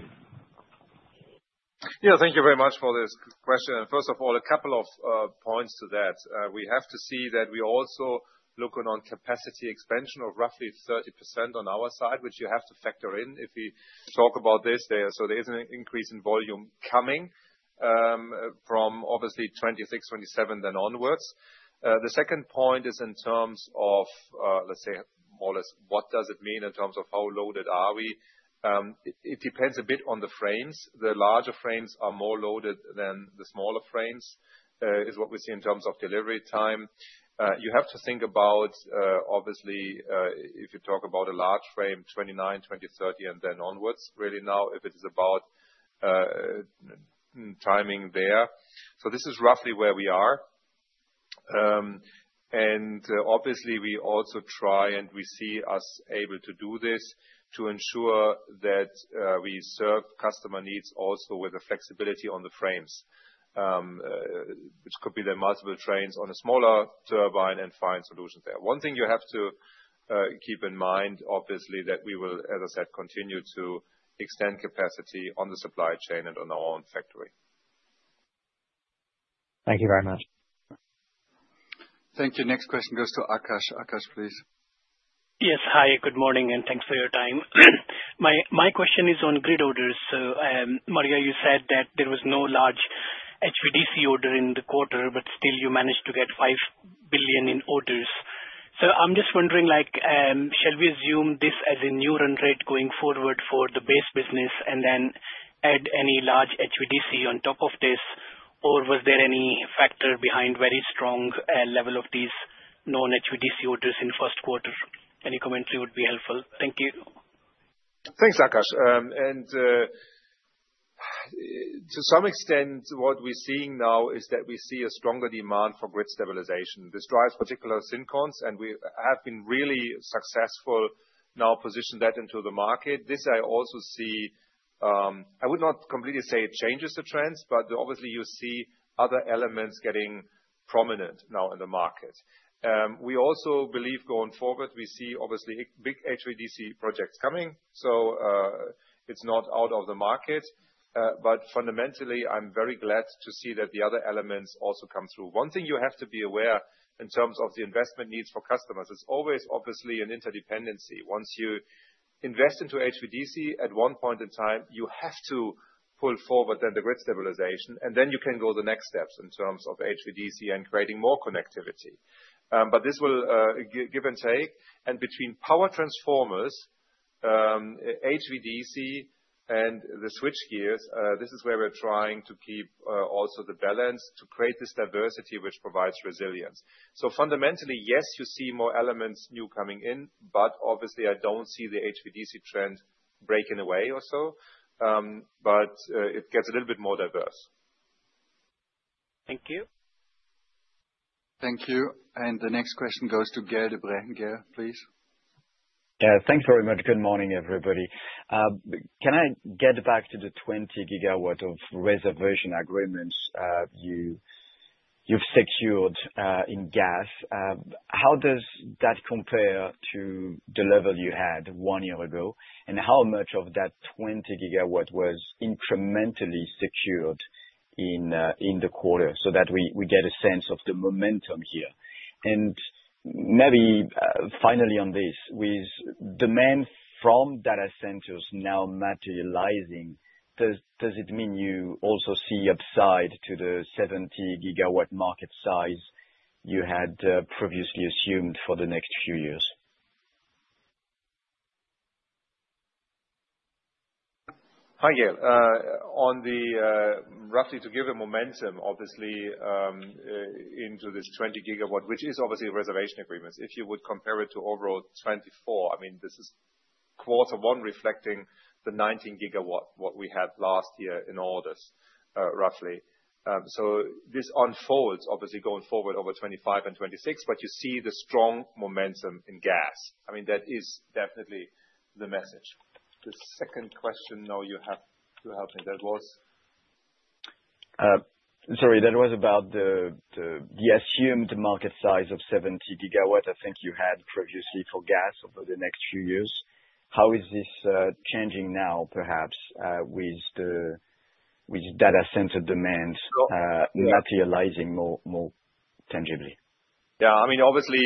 Yeah, thank you very much for this question. And first of all, a couple of points to that. We have to see that we also look on capacity expansion of roughly 30% on our side, which you have to factor in if we talk about this. So there is an increase in volume coming from obviously 2026, 2027, then onwards. The second point is in terms of, let's say, more or less, what does it mean in terms of how loaded are we? It depends a bit on the frames. The larger frames are more loaded than the smaller frames, is what we see in terms of delivery time. You have to think about, obviously, if you talk about a large frame, 29, 20, 30, and then onwards, really now, if it is about timing there. So this is roughly where we are. Obviously, we also try and we see us able to do this to ensure that we serve customer needs also with the flexibility on the frames, which could be the multiple trains on a smaller turbine and find solutions there. One thing you have to keep in mind, obviously, that we will, as I said, continue to extend capacity on the supply chain and on our own factory. Thank you very much. Thank you. Next question goes to Akash. Akash, please. Yes, hi, good morning, and thanks for your time. My question is on grid orders. Maria, you said that there was no large HVDC order in the quarter, but still you managed to get €5 billion in orders. So I'm just wondering, shall we assume this as a new run rate going forward for the base business and then add any large HVDC on top of this? Or was there any factor behind very strong level of these non-HVDC orders in first quarter? Any commentary would be helpful. Thank you. Thanks, Akash. And to some extent, what we're seeing now is that we see a stronger demand for grid stabilization. This drives particular Syncons, and we have been really successful now positioning that into the market. This I also see, I would not completely say it changes the trends, but obviously you see other elements getting prominent now in the market. We also believe going forward, we see obviously big HVDC projects coming. So it's not out of the market. But fundamentally, I'm very glad to see that the other elements also come through. One thing you have to be aware in terms of the investment needs for customers is always obviously an interdependency. Once you invest into HVDC at one point in time, you have to pull forward then the grid stabilization, and then you can go the next steps in terms of HVDC and creating more connectivity. But this will give and take. And between power transformers, HVDC, and the switchgear, this is where we're trying to keep also the balance to create this diversity which provides resilience. So fundamentally, yes, you see more elements new coming in, but obviously I don't see the HVDC trend breaking away or so, but it gets a little bit more diverse. Thank you. Thank you. And the next question goes to Gael de-Bray. Gael, please. Yeah, thanks very much. Good morning, everybody. Can I get back to the 20 gigawatts of reservation agreements you've secured in gas? How does that compare to the level you had one year ago? And how much of that 20 gigawatt was incrementally secured in the quarter so that we get a sense of the momentum here? And maybe finally on this, with demand from data centers now materializing, does it mean you also see upside to the 70 gigawatt market size you had previously assumed for the next few years? Hi, Gael. On the roughly to give a momentum, obviously, into this 20 gigawatt, which is obviously reservation agreements, if you would compare it to overall 24, I mean, this is quarter one reflecting the 19 gigawatt, what we had last year in orders, roughly. So this unfolds, obviously, going forward over 25 and 26, but you see the strong momentum in gas. I mean, that is definitely the message. The second question now you have to help me. That was? Sorry, that was about the assumed market size of 70 gigawatt I think you had previously for gas over the next few years. How is this changing now, perhaps, with the data center demand materializing more tangibly? Yeah, I mean, obviously,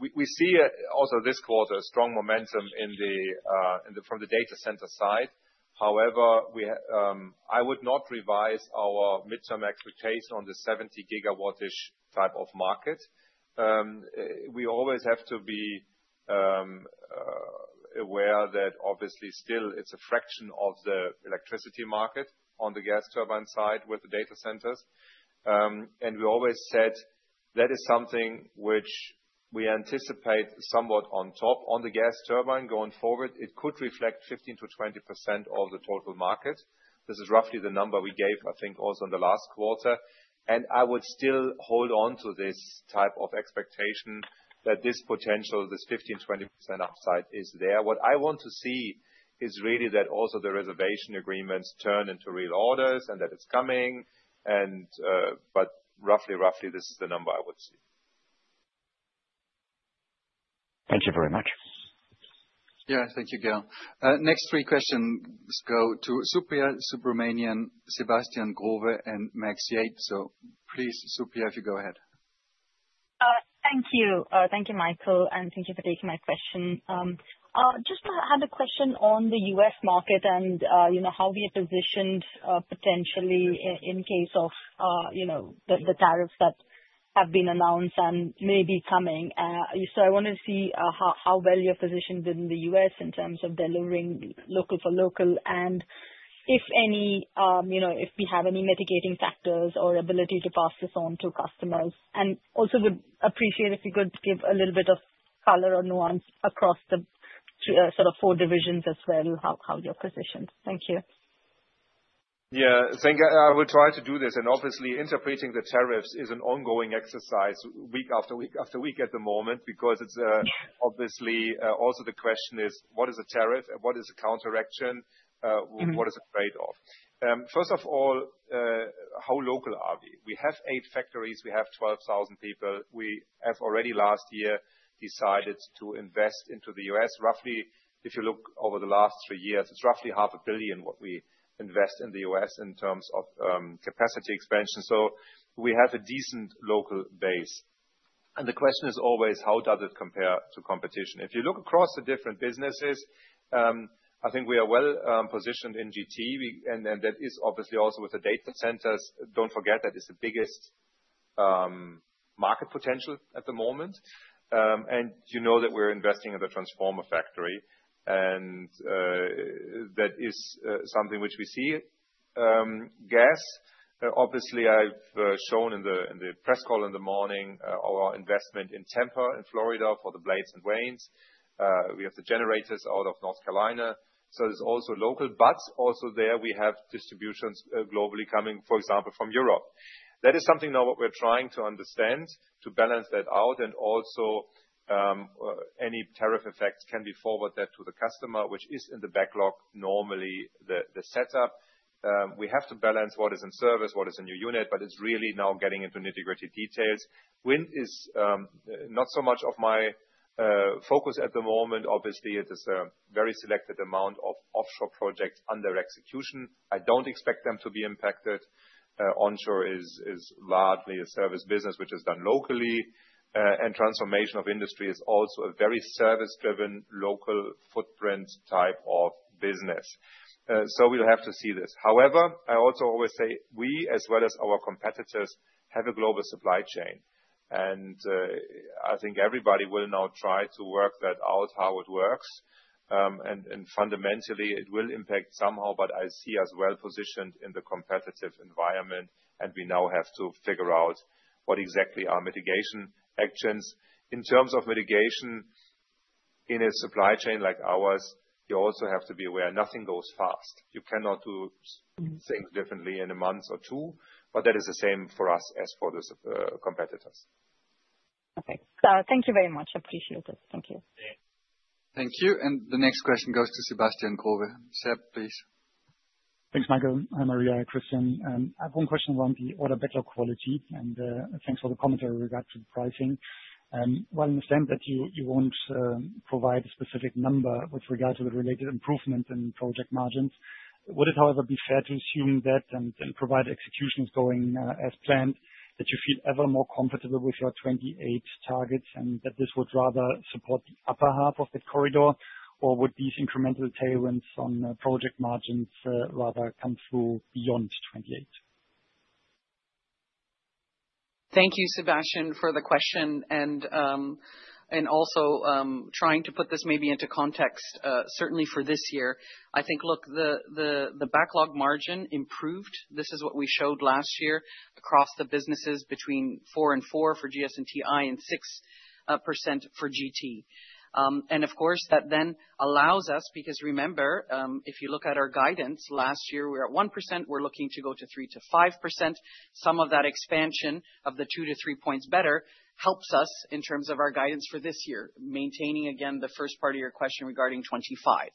we see also this quarter a strong momentum from the data center side. However, I would not revise our midterm expectation on the 70 gigawatt-ish type of market. We always have to be aware that obviously still it's a fraction of the electricity market on the gas turbine side with the data centers. And we always said that is something which we anticipate somewhat on top on the gas turbine going forward. It could reflect 15%-20% of the total market. This is roughly the number we gave, I think, also in the last quarter. And I would still hold on to this type of expectation that this potential, this 15%-20% upside is there. What I want to see is really that also the reservation agreements turn into real orders and that it's coming. But roughly, roughly, this is the number I would see. Thank you very much. Yeah, thank you, Gael. Next three questions go to Supriya Subramanian, Sebastian Growe, and Max Yates. So please, Supriya, if you go ahead. Thank you. Thank you, Michael, and thank you for taking my question. Just had a question on the US market and how we are positioned potentially in case of the tariffs that have been announced and may be coming. So I want to see how well you're positioned in the U.S. in terms of delivering local for local and if any, if we have any mitigating factors or ability to pass this on to customers. And also would appreciate if you could give a little bit of color or nuance across the sort of four divisions as well, how you're positioned. Thank you. Yeah, I will try to do this. And obviously, interpreting the tariffs is an ongoing exercise week after week after week at the moment because it's obviously also the question is, what is a tariff? What is a counteraction? What is a trade-off? First of all, how local are we? We have eight factories. We have 12,000 people. We have already last year decided to invest into the U.S. Roughly, if you look over the last three years, it's roughly half a billion what we invest in the U.S. in terms of capacity expansion. So we have a decent local base. And the question is always, how does it compare to competition? If you look across the different businesses, I think we are well positioned in GT. And that is obviously also with the data centers. Don't forget that is the biggest market potential at the moment. And you know that we're investing in the transformer factory. And that is something which we see. Gas, obviously, I've shown in the press call in the morning our investment in Tampa and Florida for the blades and vanes. We have the generators out of North Carolina. So it's also local, but also there we have distributions globally coming, for example, from Europe. That is something now what we're trying to understand, to balance that out. And also any tariff effects can be forwarded to the customer, which is in the backlog normally the setup. We have to balance what is in service, what is a new unit, but it's really now getting into nitty-gritty details. Wind is not so much of my focus at the moment. Obviously, it is a very selected amount of offshore projects under execution. I don't expect them to be impacted. Onshore is largely a service business, which is done locally. And Transformation of Industry is also a very service-driven local footprint type of business. So we'll have to see this. However, I also always say we, as well as our competitors, have a global supply chain. And I think everybody will now try to work that out, how it works. Fundamentally, it will impact somehow, but I see us well positioned in the competitive environment. And we now have to figure out what exactly are mitigation actions. In terms of mitigation in a supply chain like ours, you also have to be aware nothing goes fast. You cannot do things differently in a month or two, but that is the same for us as for the competitors. Okay. Thank you very much. I appreciate it. Thank you. Thank you. And the next question goes to Sebastian Growe. Seb, please. Thanks, Michael. Hi, Maria, Christian. I have one question around the order backlog quality. And thanks for the commentary regarding pricing. Well, I understand that you won't provide a specific number with regard to the related improvement in project margins. Would it, however, be fair to assume that and provide executions going as planned that you feel ever more comfortable with your 28 targets and that this would rather support the upper half of the corridor, or would these incremental tailwinds on project margins rather come through beyond 28? Thank you, Sebastian, for the question. And also trying to put this maybe into context, certainly for this year, I think, look, the backlog margin improved. This is what we showed last year across the businesses between 4%-4% for GS&TI and 6% for GT. And of course, that then allows us, because remember, if you look at our guidance last year, we were at 1%. We're looking to go to 3%-5%. Some of that expansion of the 2 to 3 points better helps us in terms of our guidance for this year, maintaining, again, the first part of your question regarding 2025.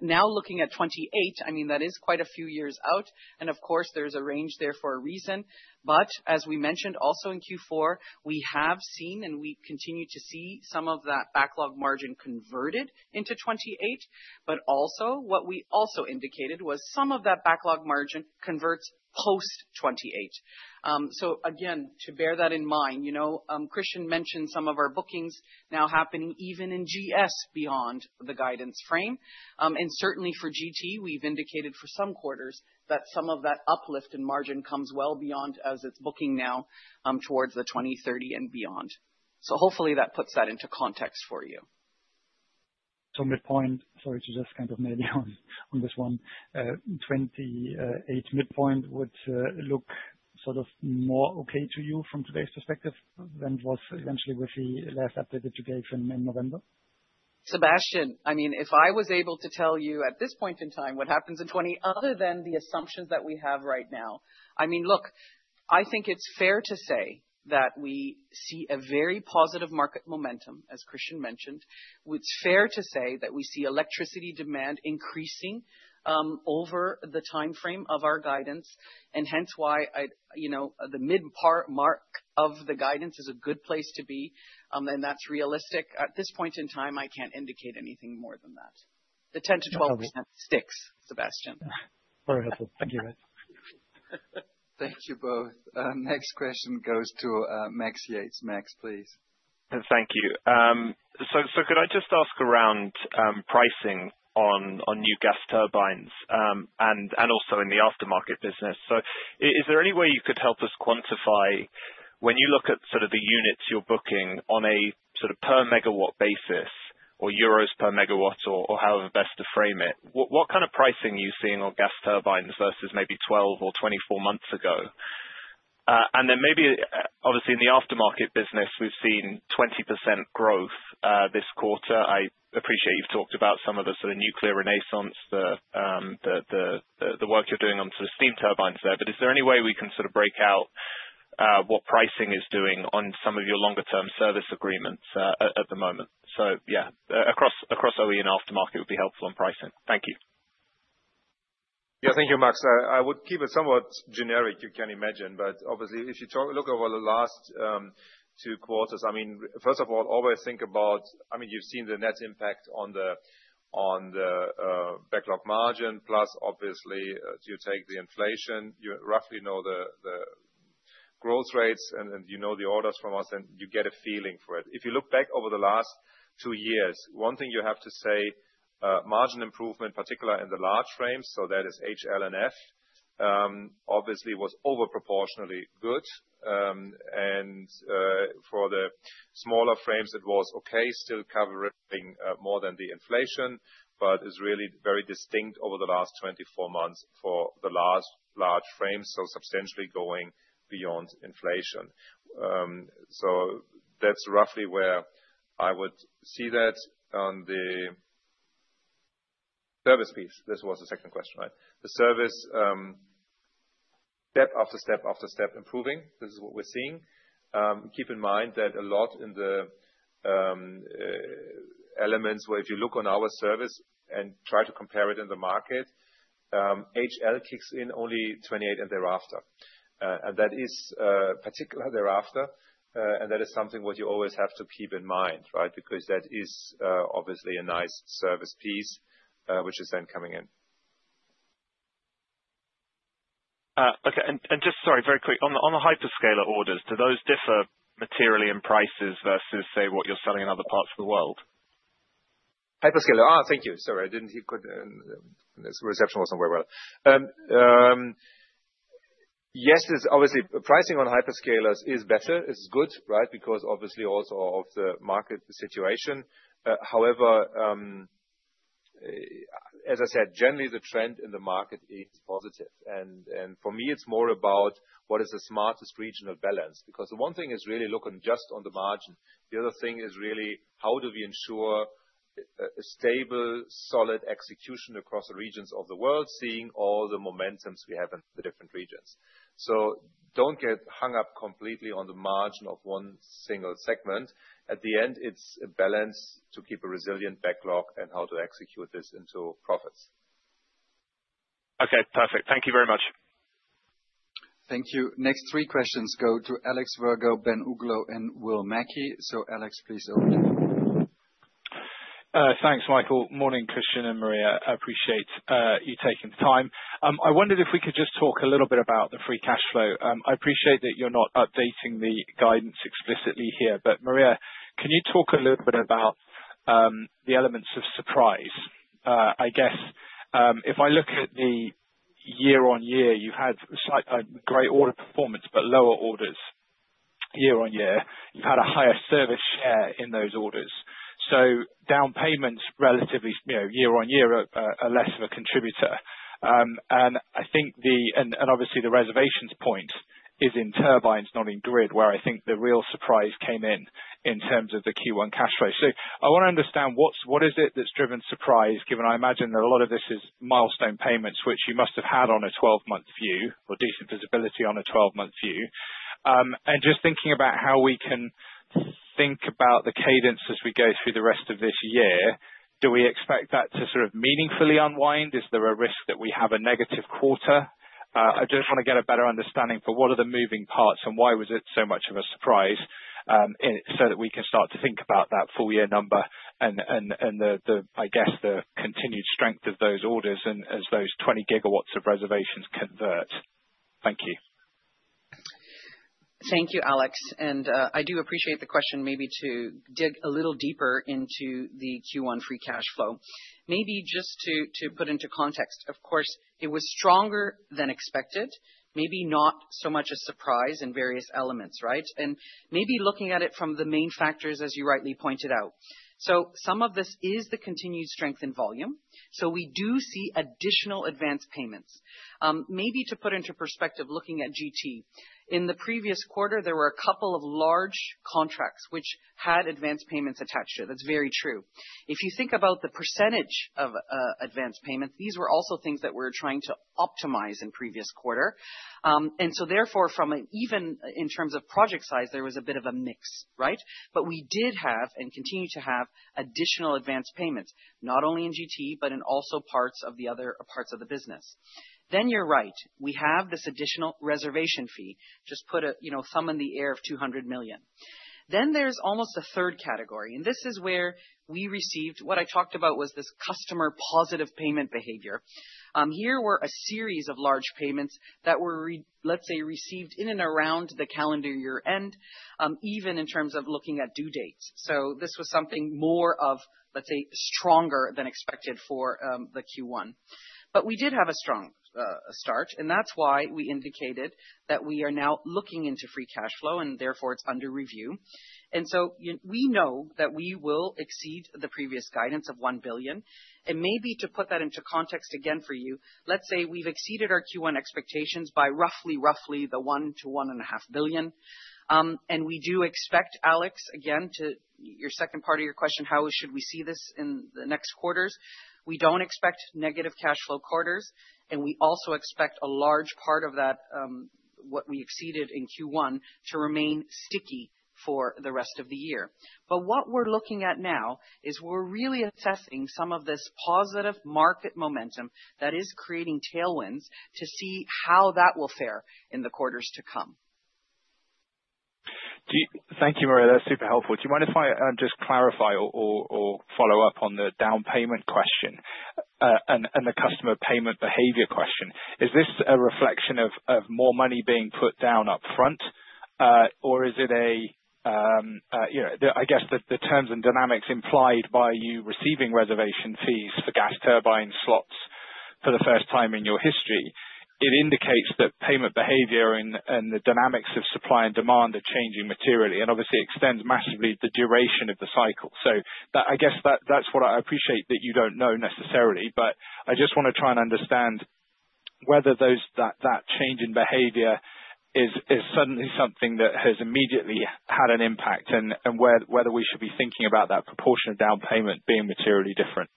Now looking at 2028, I mean, that is quite a few years out, and of course, there's a range there for a reason, but as we mentioned also in Q4, we have seen and we continue to see some of that backlog margin converted into 2028. But also what we also indicated was some of that backlog margin converts post 2028, so again, to bear that in mind, Christian mentioned some of our bookings now happening even in GS beyond the guidance frame. And certainly for GT, we've indicated for some quarters that some of that uplift in margin comes well beyond as it's booking now towards the 2030 and beyond. So hopefully that puts that into context for you. So midpoint, sorry to just kind of maybe on this one, 2028 midpoint would look sort of more okay to you from today's perspective than it was eventually with the last update that you gave in November? Sebastian, I mean, if I was able to tell you at this point in time what happens in 2025 other than the assumptions that we have right now, I mean, look, I think it's fair to say that we see a very positive market momentum, as Christian mentioned. It's fair to say that we see electricity demand increasing over the timeframe of our guidance. And hence why the midpoint of the guidance is a good place to be. And that's realistic. At this point in time, I can't indicate anything more than that. The 10%-12% sticks, Sebastian. Very helpful. Thank you, guys. Thank you both. Next question goes to Max Yates. Max, please. Thank you. So could I just ask around pricing on new gas turbines and also in the aftermarket business? So is there any way you could help us quantify when you look at sort of the units you're booking on a sort of per megawatt basis or euros per megawatt or however best to frame it? What kind of pricing are you seeing on gas turbines versus maybe 12 or 24 months ago? And then maybe obviously in the aftermarket business, we've seen 20% growth this quarter. I appreciate you've talked about some of the sort of nuclear renaissance, the work you're doing on sort of steam turbines there. But is there any way we can sort of break out what pricing is doing on some of your longer-term service agreements at the moment? So yeah, across OE and aftermarket would be helpful on pricing. Thank you. Yeah, thank you, Max. I would keep it somewhat generic, you can imagine. But obviously, if you look over the last two quarters, I mean, first of all, always think about, I mean, you've seen the net impact on the backlog margin, plus obviously you take the inflation, you roughly know the growth rates and you know the orders from us, and you get a feeling for it. If you look back over the last two years, one thing you have to say, margin improvement, particularly in the large frames, so that is HL&F, obviously was overproportionally good. And for the smaller frames, it was okay, still covering more than the inflation, but is really very distinct over the last 24 months for the last large frames, so substantially going beyond inflation. So that's roughly where I would see that on the service piece. This was the second question, right? The service step after step after step improving, this is what we're seeing. Keep in mind that a lot in the elements where if you look on our service and try to compare it in the market, HL kicks in only 2028 and thereafter. And that is particularly thereafter. And that is something what you always have to keep in mind, right? Because that is obviously a nice service piece, which is then coming in. Okay. And just sorry, very quick. On the hyperscaler orders, do those differ materially in prices versus, say, what you're selling in other parts of the world? Hyperscaler. Thank you. Sorry, I didn't hear clearly. The reception wasn't very well. Yes, obviously, pricing on hyperscalers is better. It's good, right? Because obviously also of the market situation. However, as I said, generally the trend in the market is positive, and for me, it's more about what is the smartest regional balance. Because the one thing is really looking just on the margin. The other thing is really how do we ensure a stable, solid execution across the regions of the world, seeing all the momentums we have in the different regions. So don't get hung up completely on the margin of one single segment. At the end, it's a balance to keep a resilient backlog and how to execute this into profits. Okay, perfect. Thank you very much. Thank you. Next three questions go to Alex Virgo, Ben Uglow, and Will Mackie. So Alex, please over to you. Thanks, Michael. Morning, Christian and Maria. I appreciate you taking the time. I wondered if we could just talk a little bit about the free cash flow. I appreciate that you're not updating the guidance explicitly here, but Maria, can you talk a little bit about the elements of surprise? I guess if I look at the year-on-year, you've had great order performance, but lower orders year-on-year. You've had a higher service share in those orders, so down payments relatively year-on-year are less of a contributor. And I think, and obviously the reservations point is in turbines, not in grid, where I think the real surprise came in terms of the Q1 cash flow. So I want to understand what is it that's driven surprise, given I imagine that a lot of this is milestone payments, which you must have had on a 12-month view or decent visibility on a 12-month view. And just thinking about how we can think about the cadence as we go through the rest of this year, do we expect that to sort of meaningfully unwind? Is there a risk that we have a negative quarter? I just want to get a better understanding for what are the moving parts and why was it so much of a surprise so that we can start to think about that full year number and, I guess, the continued strength of those orders and as those 20 gigawatts of reservations convert. Thank you. Thank you, Alex. And I do appreciate the question, maybe to dig a little deeper into the Q1 Free Cash Flow. Maybe just to put into context, of course, it was stronger than expected, maybe not so much a surprise in various elements, right? And maybe looking at it from the main factors, as you rightly pointed out. So some of this is the continued strength in volume. So we do see additional advance payments. Maybe to put into perspective, looking at GT, in the previous quarter, there were a couple of large contracts which had advance payments attached to it. That's very true. If you think about the percentage of advance payments, these were also things that we're trying to optimize in previous quarter. And so therefore, from an even in terms of project size, there was a bit of a mix, right? But we did have and continue to have additional advance payments, not only in GT, but in also parts of the other parts of the business. Then you're right. We have this additional reservation fee, just put a thumb in the air of 200 million. Then there's almost a third category. And this is where we received what I talked about was this customer positive payment behavior. Here were a series of large payments that were, let's say, received in and around the calendar year end, even in terms of looking at due dates. So this was something more of, let's say, stronger than expected for the Q1. But we did have a strong start. And that's why we indicated that we are now looking into free cash flow and therefore it's under review. And so we know that we will exceed the previous guidance of €1 billion. And maybe to put that into context again for you, let's say we've exceeded our Q1 expectations by roughly the €1-€1.5 billion. And we do expect, Alex, again, to your second part of your question, how should we see this in the next quarters? We don't expect negative cash flow quarters, and we also expect a large part of that, what we exceeded in Q1, to remain sticky for the rest of the year, but what we're looking at now is we're really assessing some of this positive market momentum that is creating tailwinds to see how that will fare in the quarters to come. Thank you, Maria. That's super helpful. Do you mind if I just clarify or follow up on the down payment question and the customer payment behavior question? Is this a reflection of more money being put down upfront, or is it a, I guess, the terms and dynamics implied by you receiving reservation fees for gas turbine slots for the first time in your history? It indicates that payment behavior and the dynamics of supply and demand are changing materially and obviously extends massively the duration of the cycle. So, I guess that's what I appreciate that you don't know necessarily. But I just want to try and understand whether that change in behavior is suddenly something that has immediately had an impact and whether we should be thinking about that proportion of down payment being materially different.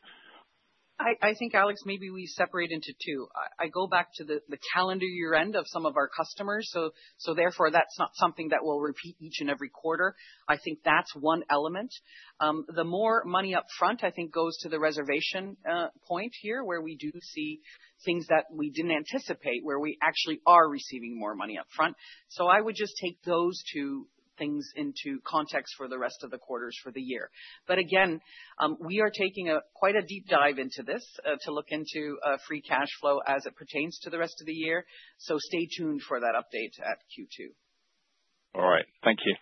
I think, Alex, maybe we separate into two. I go back to the calendar year end of some of our customers. So therefore, that's not something that will repeat each and every quarter. I think that's one element. The more money upfront, I think, goes to the reservation point here where we do see things that we didn't anticipate, where we actually are receiving more money upfront. So I would just take those two things into context for the rest of the quarters for the year. But again, we are taking quite a deep dive into this to look into free cash flow as it pertains to the rest of the year. So stay tuned for that update at Q2. All right. Thank you.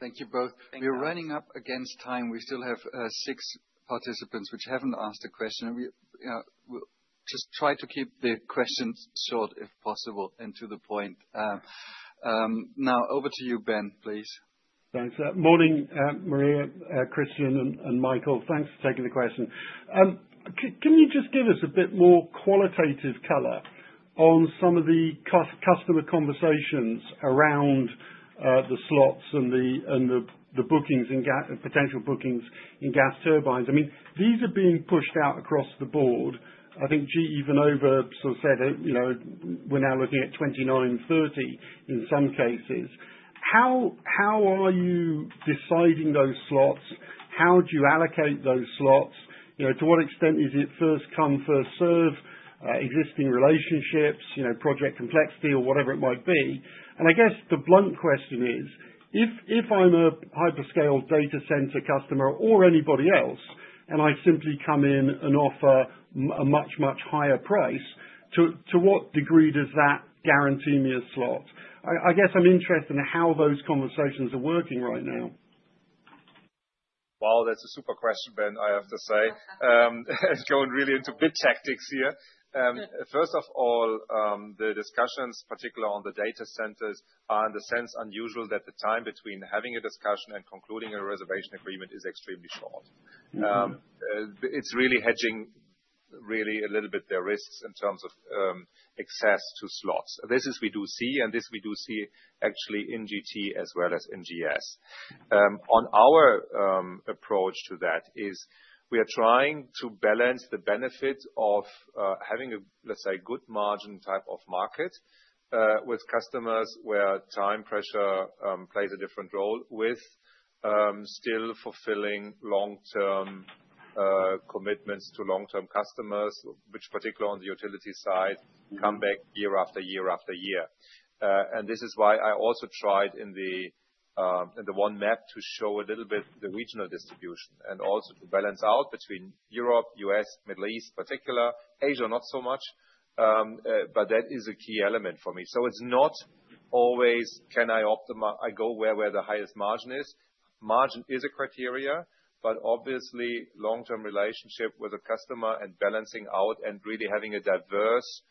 Thank you both. We're running up against time. We still have six participants which haven't asked a question. We'll just try to keep the questions short if possible and to the point. Now, over to you, Ben, please. Thanks. Morning, Maria, Christian, and Michael. Thanks for taking the question. Can you just give us a bit more qualitative color on some of the customer conversations around the slots and the bookings and potential bookings in gas turbines? I mean, these are being pushed out across the board. I think GE Vernova sort of said we're now looking at 29, 30 in some cases. How are you deciding those slots? How do you allocate those slots? To what extent is it first come, first serve, existing relationships, project complexity, or whatever it might be? And I guess the blunt question is, if I'm a hyperscale data center customer or anybody else, and I simply come in and offer a much, much higher price, to what degree does that guarantee me a slot? I guess I'm interested in how those conversations are working right now. Well, that's a super question, Ben. I have to say. It's going really into bid tactics here. First of all, the discussions, particularly on the data centers, are in the sense unusual that the time between having a discussion and concluding a reservation agreement is extremely short. It's really hedging really a little bit their risks in terms of access to slots. We do see this actually in GT as well as in GS. Our approach to that is we are trying to balance the benefit of having a, let's say, good margin type of market with customers where time pressure plays a different role with still fulfilling long-term commitments to long-term customers, which particularly on the utility side come back year after year after year. This is why I also tried in the one map to show a little bit the regional distribution and also to balance out between Europe, U.S., Middle East, particularly Asia, not so much. That is a key element for me. It's not always can I go where the highest margin is. Margin is a criteria, but obviously long-term relationship with a customer and balancing out and really having a diverse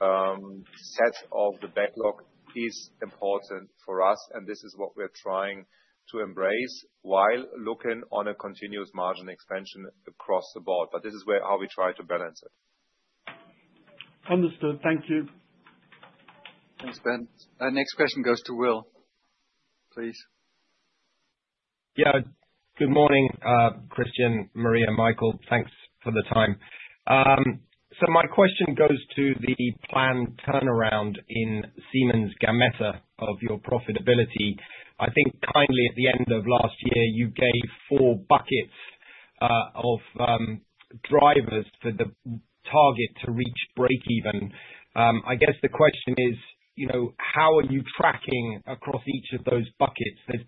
set of the backlog is important for us. And this is what we're trying to embrace while looking on a continuous margin expansion across the board. But this is how we try to balance it. Understood. Thank you. Thanks, Ben. Next question goes to Will, please. Yeah. Good morning, Christian, Maria, Michael. Thanks for the time. So my question goes to the planned turnaround in Siemens Gamesa of your profitability. I think kindly at the end of last year, you gave four buckets of drivers for the target to reach breakeven. I guess the question is, how are you tracking across each of those buckets? There's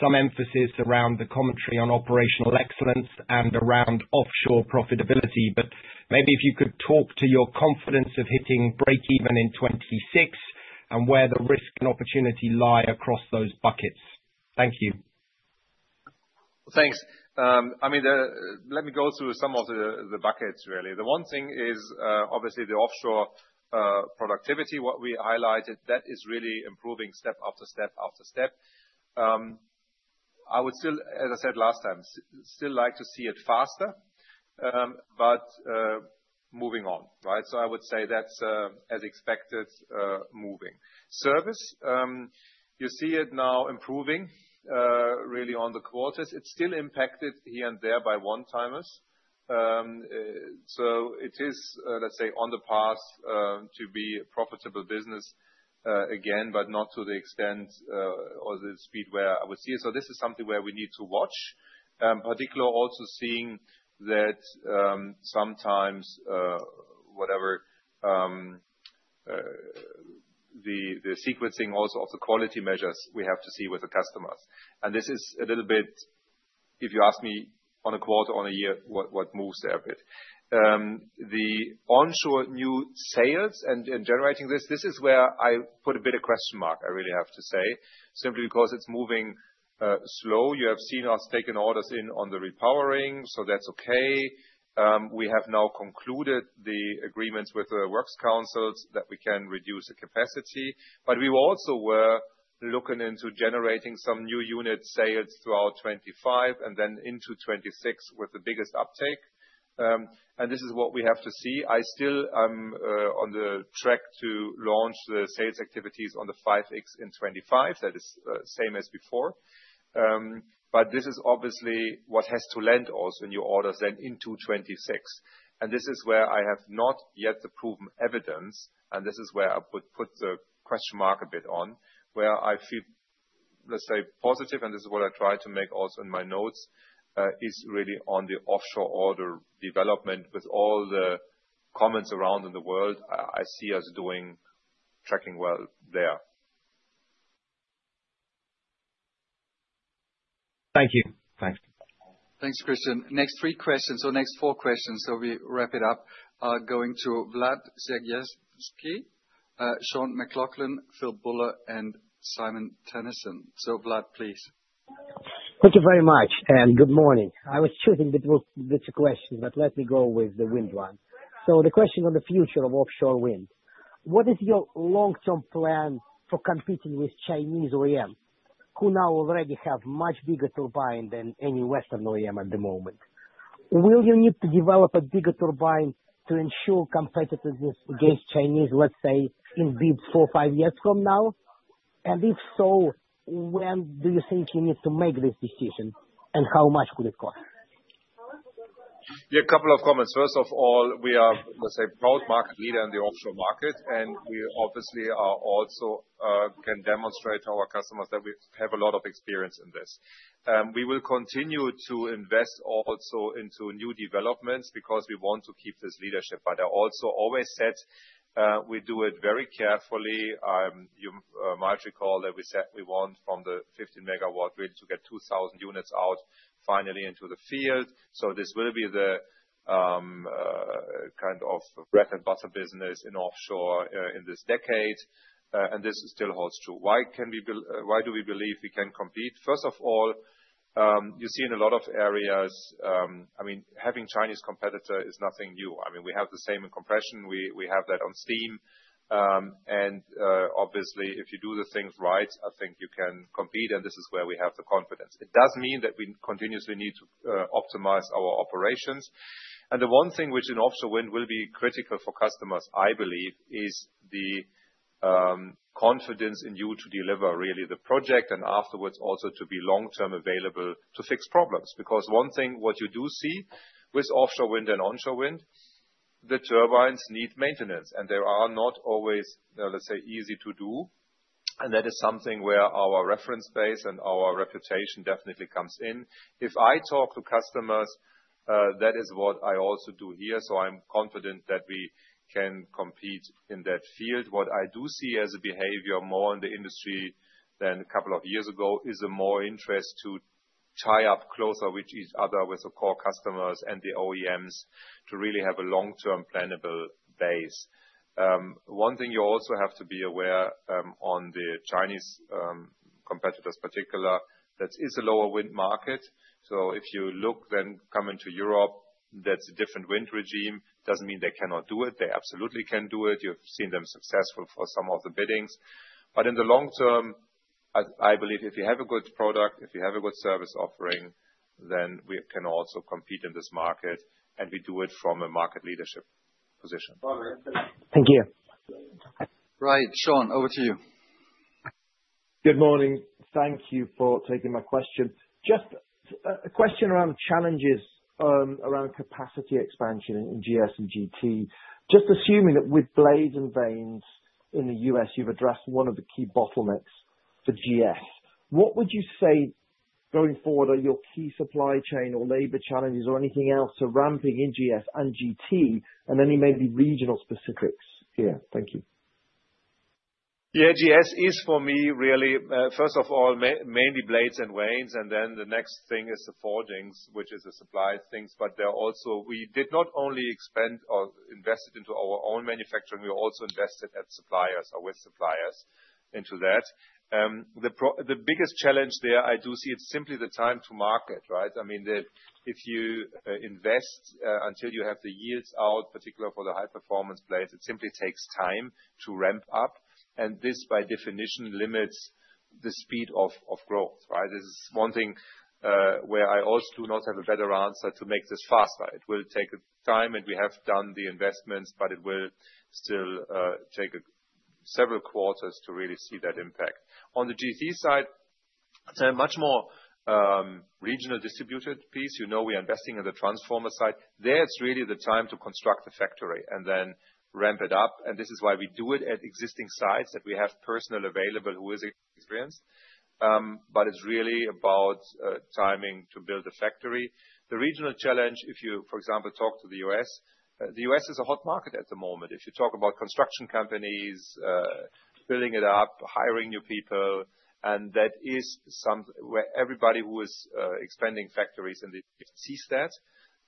been some emphasis around the commentary on operational excellence and around offshore profitability. But maybe if you could talk to your confidence of hitting breakeven in 2026 and where the risk and opportunity lie across those buckets. Thank you. Thanks. I mean, let me go through some of the buckets, really. The one thing is obviously the offshore productivity, what we highlighted, that is really improving step after step after step. I would still, as I said last time, still like to see it faster, but moving on, right? So I would say that's as expected moving. Service, you see it now improving really on the quarters. It's still impacted here and there by one-timers. So it is, let's say, on the path to be a profitable business again, but not to the extent or the speed where I would see it. So this is something where we need to watch, particularly also seeing that sometimes whatever the sequencing also of the quality measures we have to see with the customers. And this is a little bit, if you ask me on a quarter, on a year, what moves there a bit. The onshore new sales and generating this, this is where I put a bit of question mark, I really have to say, simply because it's moving slow. You have seen us taking orders in on the repowering, so that's okay. We have now concluded the agreements with the works councils that we can reduce the capacity. But we also were looking into generating some new unit sales throughout 2025 and then into 2026 with the biggest uptake. And this is what we have to see. I still am on the track to launch the sales activities on the 5X in 2025. That is the same as before, but this is obviously what has to lend also new orders then into 2026, and this is where I have not yet the proven evidence, and this is where I would put the question mark a bit on, where I feel, let's say, positive, and this is what I try to make also in my notes is really on the offshore order development with all the comments around in the world I see us doing tracking well there. Thank you. Thanks. Thanks, Christian. Next three questions or next four questions, so we wrap it up going to Vlad Sergievski, Sean McLoughlin, Philip Buller, and Simon Toennessen, so Vlad, please. Thank you very much, and good morning. I was choosing between the two questions, but let me go with the wind one. So the question on the future of offshore wind: what is your long-term plan for competing with Chinese OEMs who now already have much bigger turbines than any Western OEM at the moment? Will you need to develop a bigger turbine to ensure competitiveness against Chinese, let's say, in about four, five years from now? And if so, when do you think you need to make this decision and how much would it cost? Yeah, a couple of comments. First of all, we are, let's say, a proud market leader in the offshore market. We obviously also can demonstrate to our customers that we have a lot of experience in this. We will continue to invest also into new developments because we want to keep this leadership. But I also always said we do it very carefully. You might recall that we said we want from the 15 megawatt grid to get 2,000 units out finally into the field, so this will be the kind of bread and butter business in offshore in this decade, and this still holds true. Why do we believe we can compete? First of all, you see in a lot of areas, I mean, having Chinese competitors is nothing new. I mean, we have the same in compression. We have that on steam, and obviously, if you do the things right, I think you can compete, and this is where we have the confidence. It does mean that we continuously need to optimize our operations. The one thing which in offshore wind will be critical for customers, I believe, is the confidence in you to deliver really the project and afterwards also to be long-term available to fix problems. Because one thing what you do see with offshore wind and onshore wind, the turbines need maintenance. And they are not always, let's say, easy to do. And that is something where our reference base and our reputation definitely comes in. If I talk to customers, that is what I also do here. So I'm confident that we can compete in that field. What I do see as a behavior more in the industry than a couple of years ago is a more interest to tie up closer with each other with the core customers and the OEMs to really have a long-term plannable base. One thing you also have to be aware of the Chinese competitors, particularly that is a lower wind market. So if you look to come into Europe, that's a different wind regime. Doesn't mean they cannot do it. They absolutely can do it. You've seen them successful for some of the biddings. But in the long term, I believe if you have a good product, if you have a good service offering, then we can also compete in this market, and we do it from a market leadership position. Thank you. Right. Sean, over to you. Good morning. Thank you for taking my question. Just a question around challenges around capacity expansion in GS and GT. Just assuming that with blades and vanes in the U.S., you've addressed one of the key bottlenecks for GS. What would you say going forward are your key supply chain or labor challenges or anything else ramping in GS and GT and any maybe regional specifics here? Thank you. Yeah, GS is for me really, first of all, mainly blades and vanes. And then the next thing is the forgings, which is the supplied things. But we did not only expand or invested into our own manufacturing. We also invested at suppliers or with suppliers into that. The biggest challenge there, I do see it's simply the time to market, right? I mean, if you invest until you have the yields out, particularly for the high-performance blades, it simply takes time to ramp up. And this, by definition, limits the speed of growth, right? This is one thing where I also do not have a better answer to make this faster. It will take time, and we have done the investments, but it will still take several quarters to really see that impact. On the GT side, it's a much more regional distributed piece. You know we are investing in the transformer side. There it's really the time to construct the factory and then ramp it up. And this is why we do it at existing sites that we have personnel available who is experienced. But it's really about timing to build a factory. The regional challenge, if you, for example, talk to the U.S., the U.S. is a hot market at the moment. If you talk about construction companies building it up, hiring new people, and that is something where everybody who is expanding factories in the U.S. sees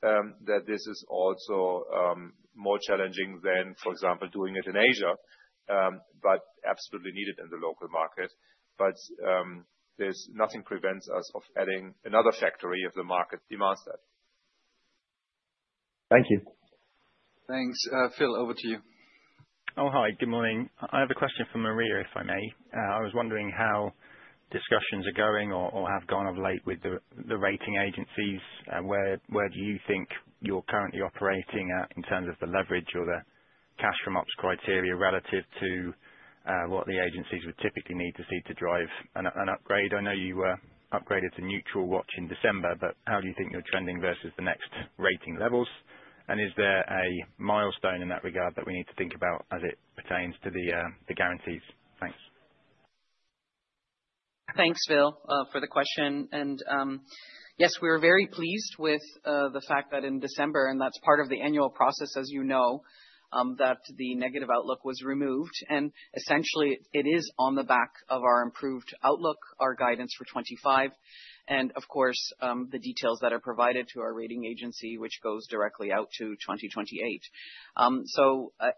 that this is also more challenging than, for example, doing it in Asia, but absolutely needed in the local market. But nothing prevents us of adding another factory if the market demands that. Thank you. Thanks. Phil, over to you. Oh, hi. Good morning. I have a question for Maria, if I may. I was wondering how discussions are going or have gone of late with the rating agencies. Where do you think you're currently operating in terms of the leverage or the cash from ops criteria relative to what the agencies would typically need to see to drive an upgrade? I know you upgraded to neutral watch in December, but how do you think you're trending versus the next rating levels? And is there a milestone in that regard that we need to think about as it pertains to the guarantees? Thanks. Thanks, Phil, for the question. Yes, we are very pleased with the fact that in December, and that's part of the annual process, as you know, that the negative outlook was removed. Essentially, it is on the back of our improved outlook, our guidance for 2025, and of course, the details that are provided to our rating agency, which goes directly out to 2028.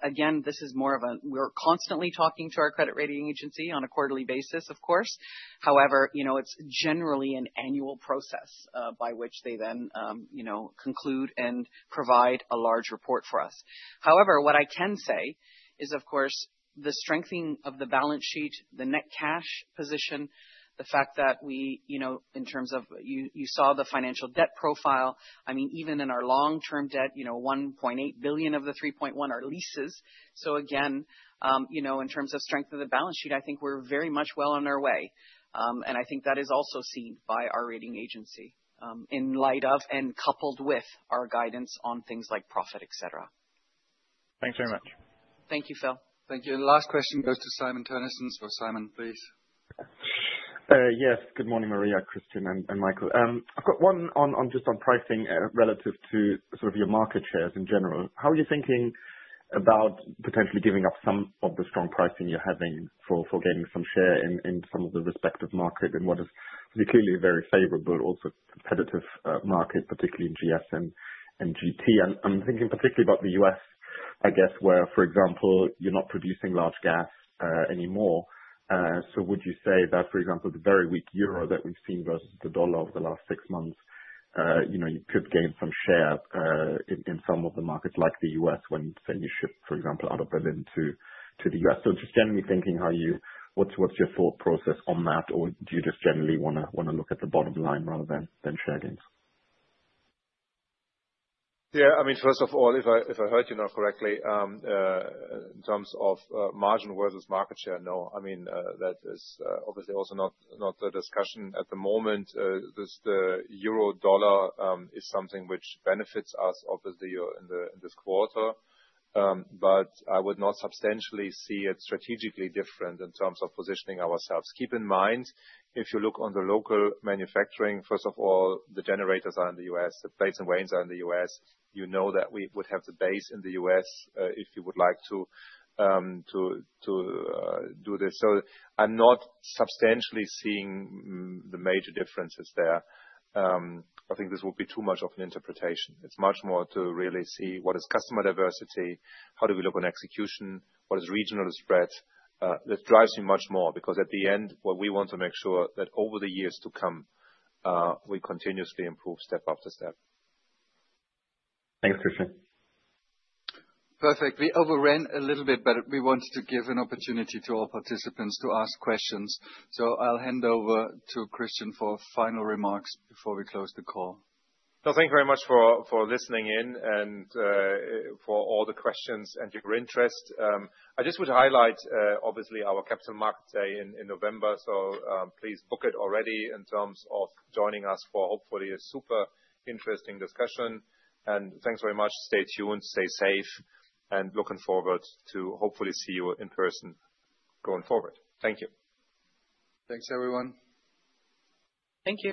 Again, this is more of a, we're constantly talking to our credit rating agency on a quarterly basis, of course. However, it's generally an annual process by which they then conclude and provide a large report for us. However, what I can say is, of course, the strengthening of the balance sheet, the net cash position, the fact that we, in terms of you saw the financial debt profile, I mean, even in our long-term debt, 1.8 billion of the 3.1 billion are leases. So again, in terms of strength of the balance sheet, I think we're very much well on our way. And I think that is also seen by our rating agency in light of and coupled with our guidance on things like profit, etc. Thanks very much. Thank you, Phil. Thank you. And last question goes to Simon Toennessen. So Simon, please. Yes. Good morning, Maria, Christian, and Michael. I've got one just on pricing relative to sort of your market shares in general. How are you thinking about potentially giving up some of the strong pricing you're having for gaining some share in some of the respective markets? And what is clearly a very favorable, also competitive market, particularly in GS and GT? I'm thinking particularly about the U.S., I guess, where, for example, you're not producing large gas anymore. So would you say that, for example, the very weak euro that we've seen versus the dollar over the last six months, you could gain some share in some of the markets like the U.S. when you shift, for example, out of Berlin to the U.S.? So just generally thinking how you what's your thought process on that, or do you just generally want to look at the bottom line rather than share gains? Yeah. I mean, first of all, if I heard you now correctly, in terms of margin versus market share, no. I mean, that is obviously also not the discussion at the moment. The euro/dollar is something which benefits us, obviously, in this quarter. But I would not substantially see it strategically different in terms of positioning ourselves. Keep in mind, if you look on the local manufacturing, first of all, the generators are in the U.S. The blades and vanes are in the U.S. You know that we would have the base in the U.S. if you would like to do this. So I'm not substantially seeing the major differences there. I think this would be too much of an interpretation. It's much more to really see what is customer diversity, how do we look on execution, what is regional spread. That drives me much more because at the end, what we want to make sure that over the years to come, we continuously improve step after step. Thanks, Christian. Perfect. We overran a little bit, but we wanted to give an opportunity to all participants to ask questions. So I'll hand over to Christian for final remarks before we close the call. No, thank you very much for listening in and for all the questions and your interest. I just would highlight, obviously, our Capital Markets Day in November. So please book it already in terms of joining us for hopefully a super interesting discussion. And thanks very much. Stay tuned. Stay safe. And looking forward to hopefully see you in person going forward. Thank you. Thanks, everyone. Thank you.